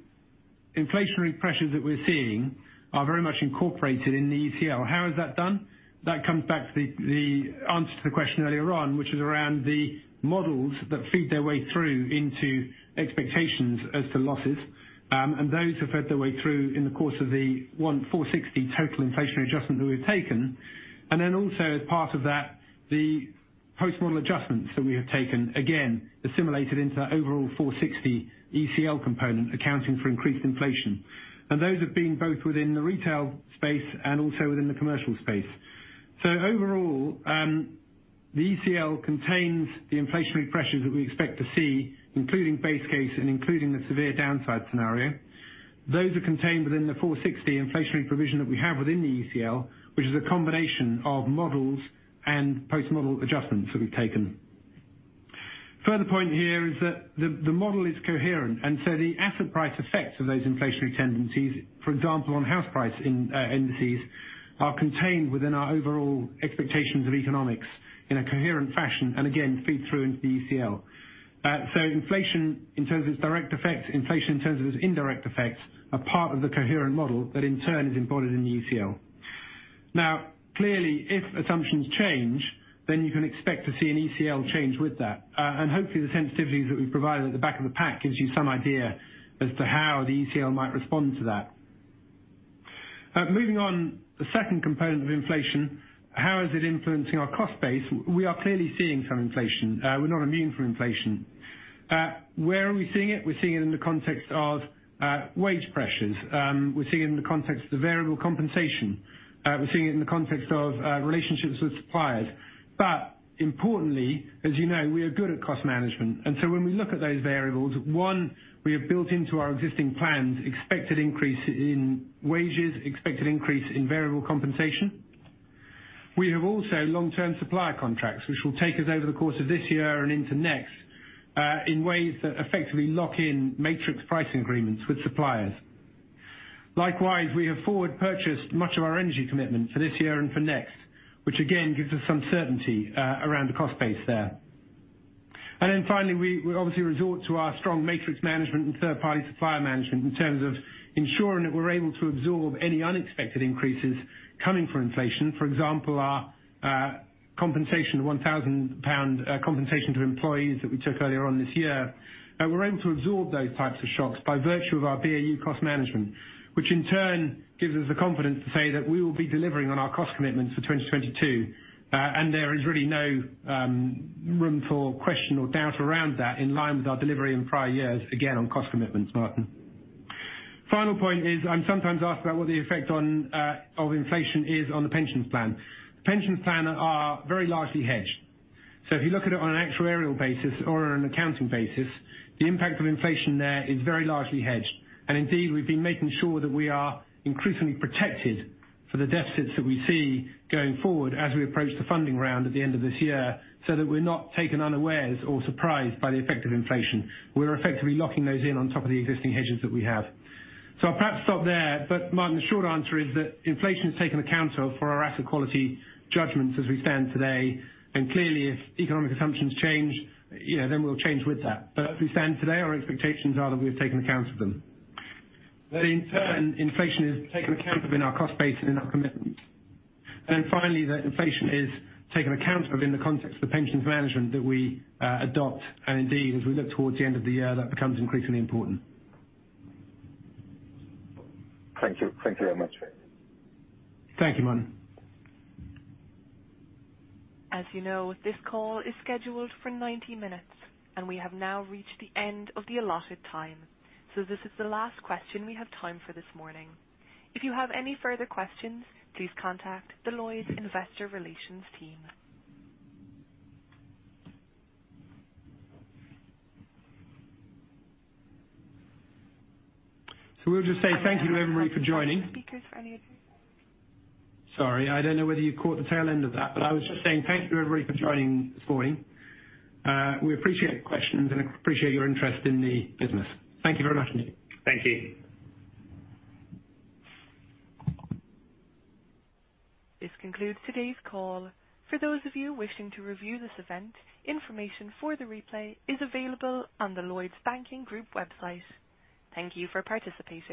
C: inflationary pressures that we're seeing are very much incorporated in the ECL. How is that done? That comes back to the answer to the question earlier on, which is around the models that feed their way through into expectations as to losses. Those have fed their way through in the course of the 460 total inflationary adjustment that we've taken. As part of that, the post-model adjustments that we have taken, again, assimilated into that overall 460 ECL component, accounting for increased inflation. Those have been both within the retail space and also within the commercial space. Overall, the ECL contains the inflationary pressures that we expect to see, including base case and including the severe downside scenario. Those are contained within the 460 inflationary provision that we have within the ECL, which is a combination of models and post-model adjustments that we've taken. Further point here is that the model is coherent, and so the asset price effects of those inflationary tendencies, for example, on house price indices, are contained within our overall expectations of economics in a coherent fashion, and again, feed through into the ECL. Inflation in terms of its direct effects, inflation in terms of its indirect effects, are part of the coherent model that in turn is embodied in the ECL. Now, clearly, if assumptions change, then you can expect to see an ECL change with that. Hopefully the sensitivities that we've provided at the back of the pack gives you some idea as to how the ECL might respond to that. Moving on. The second component of inflation, how is it influencing our cost base? We are clearly seeing some inflation. We're not immune from inflation. Where are we seeing it? We're seeing it in the context of wage pressures. We're seeing it in the context of variable compensation. We're seeing it in the context of relationships with suppliers. Importantly, as you know, we are good at cost management, and so when we look at those variables, one, we have built into our existing plans expected increase in wages, expected increase in variable compensation. We have also long-term supply contracts, which will take us over the course of this year and into next, in ways that effectively lock in matrix pricing agreements with suppliers. Likewise, we have forward purchased much of our energy commitment for this year and for next, which again, gives us some certainty around the cost base there. Finally, we obviously resort to our strong matrix management and third-party supplier management in terms of ensuring that we're able to absorb any unexpected increases coming from inflation. For example, our 1,000 pound compensation to employees that we took earlier on this year. We're able to absorb those types of shocks by virtue of our BAU cost management, which in turn gives us the confidence to say that we will be delivering on our cost commitments for 2022. There is really no room for question or doubt around that in line with our delivery in prior years, again, on cost commitments, Martin. Final point is, I'm sometimes asked about what the effect of inflation is on the pensions plan. The pensions plan are very largely hedged. If you look at it on an actuarial basis or on an accounting basis, the impact of inflation there is very largely hedged. Indeed, we've been making sure that we are increasingly protected for the deficits that we see going forward as we approach the funding round at the end of this year, so that we're not taken unawares or surprised by the effect of inflation. We're effectively locking those in on top of the existing hedges that we have. I'll perhaps stop there. Martin, the short answer is that inflation is taken account of for our asset quality judgments as we stand today. Clearly, if economic assumptions change, you know, then we'll change with that. As we stand today, our expectations are that we've taken account of them. That in turn, inflation is taken account of in our cost base and in our commitments. Then finally, that inflation is taken account of in the context of the pensions management that we adopt. Indeed, as we look towards the end of the year, that becomes increasingly important.
K: Thank you. Thank you very much.
B: Thank you, Martin.
A: As you know, this call is scheduled for 90 minutes, and we have now reached the end of the allotted time. This is the last question we have time for this morning. If you have any further questions, please contact the Lloyds Investor Relations team.
B: We'll just say thank you to everybody for joining.
A: Speakers for any additional-
B: Sorry, I don't know whether you caught the tail end of that, but I was just saying thank you everybody for joining this morning. We appreciate the questions and appreciate your interest in the business. Thank you very much indeed.
C: Thank you.
A: This concludes today's call. For those of you wishing to review this event, information for the replay is available on the Lloyds Banking Group website. Thank you for participating.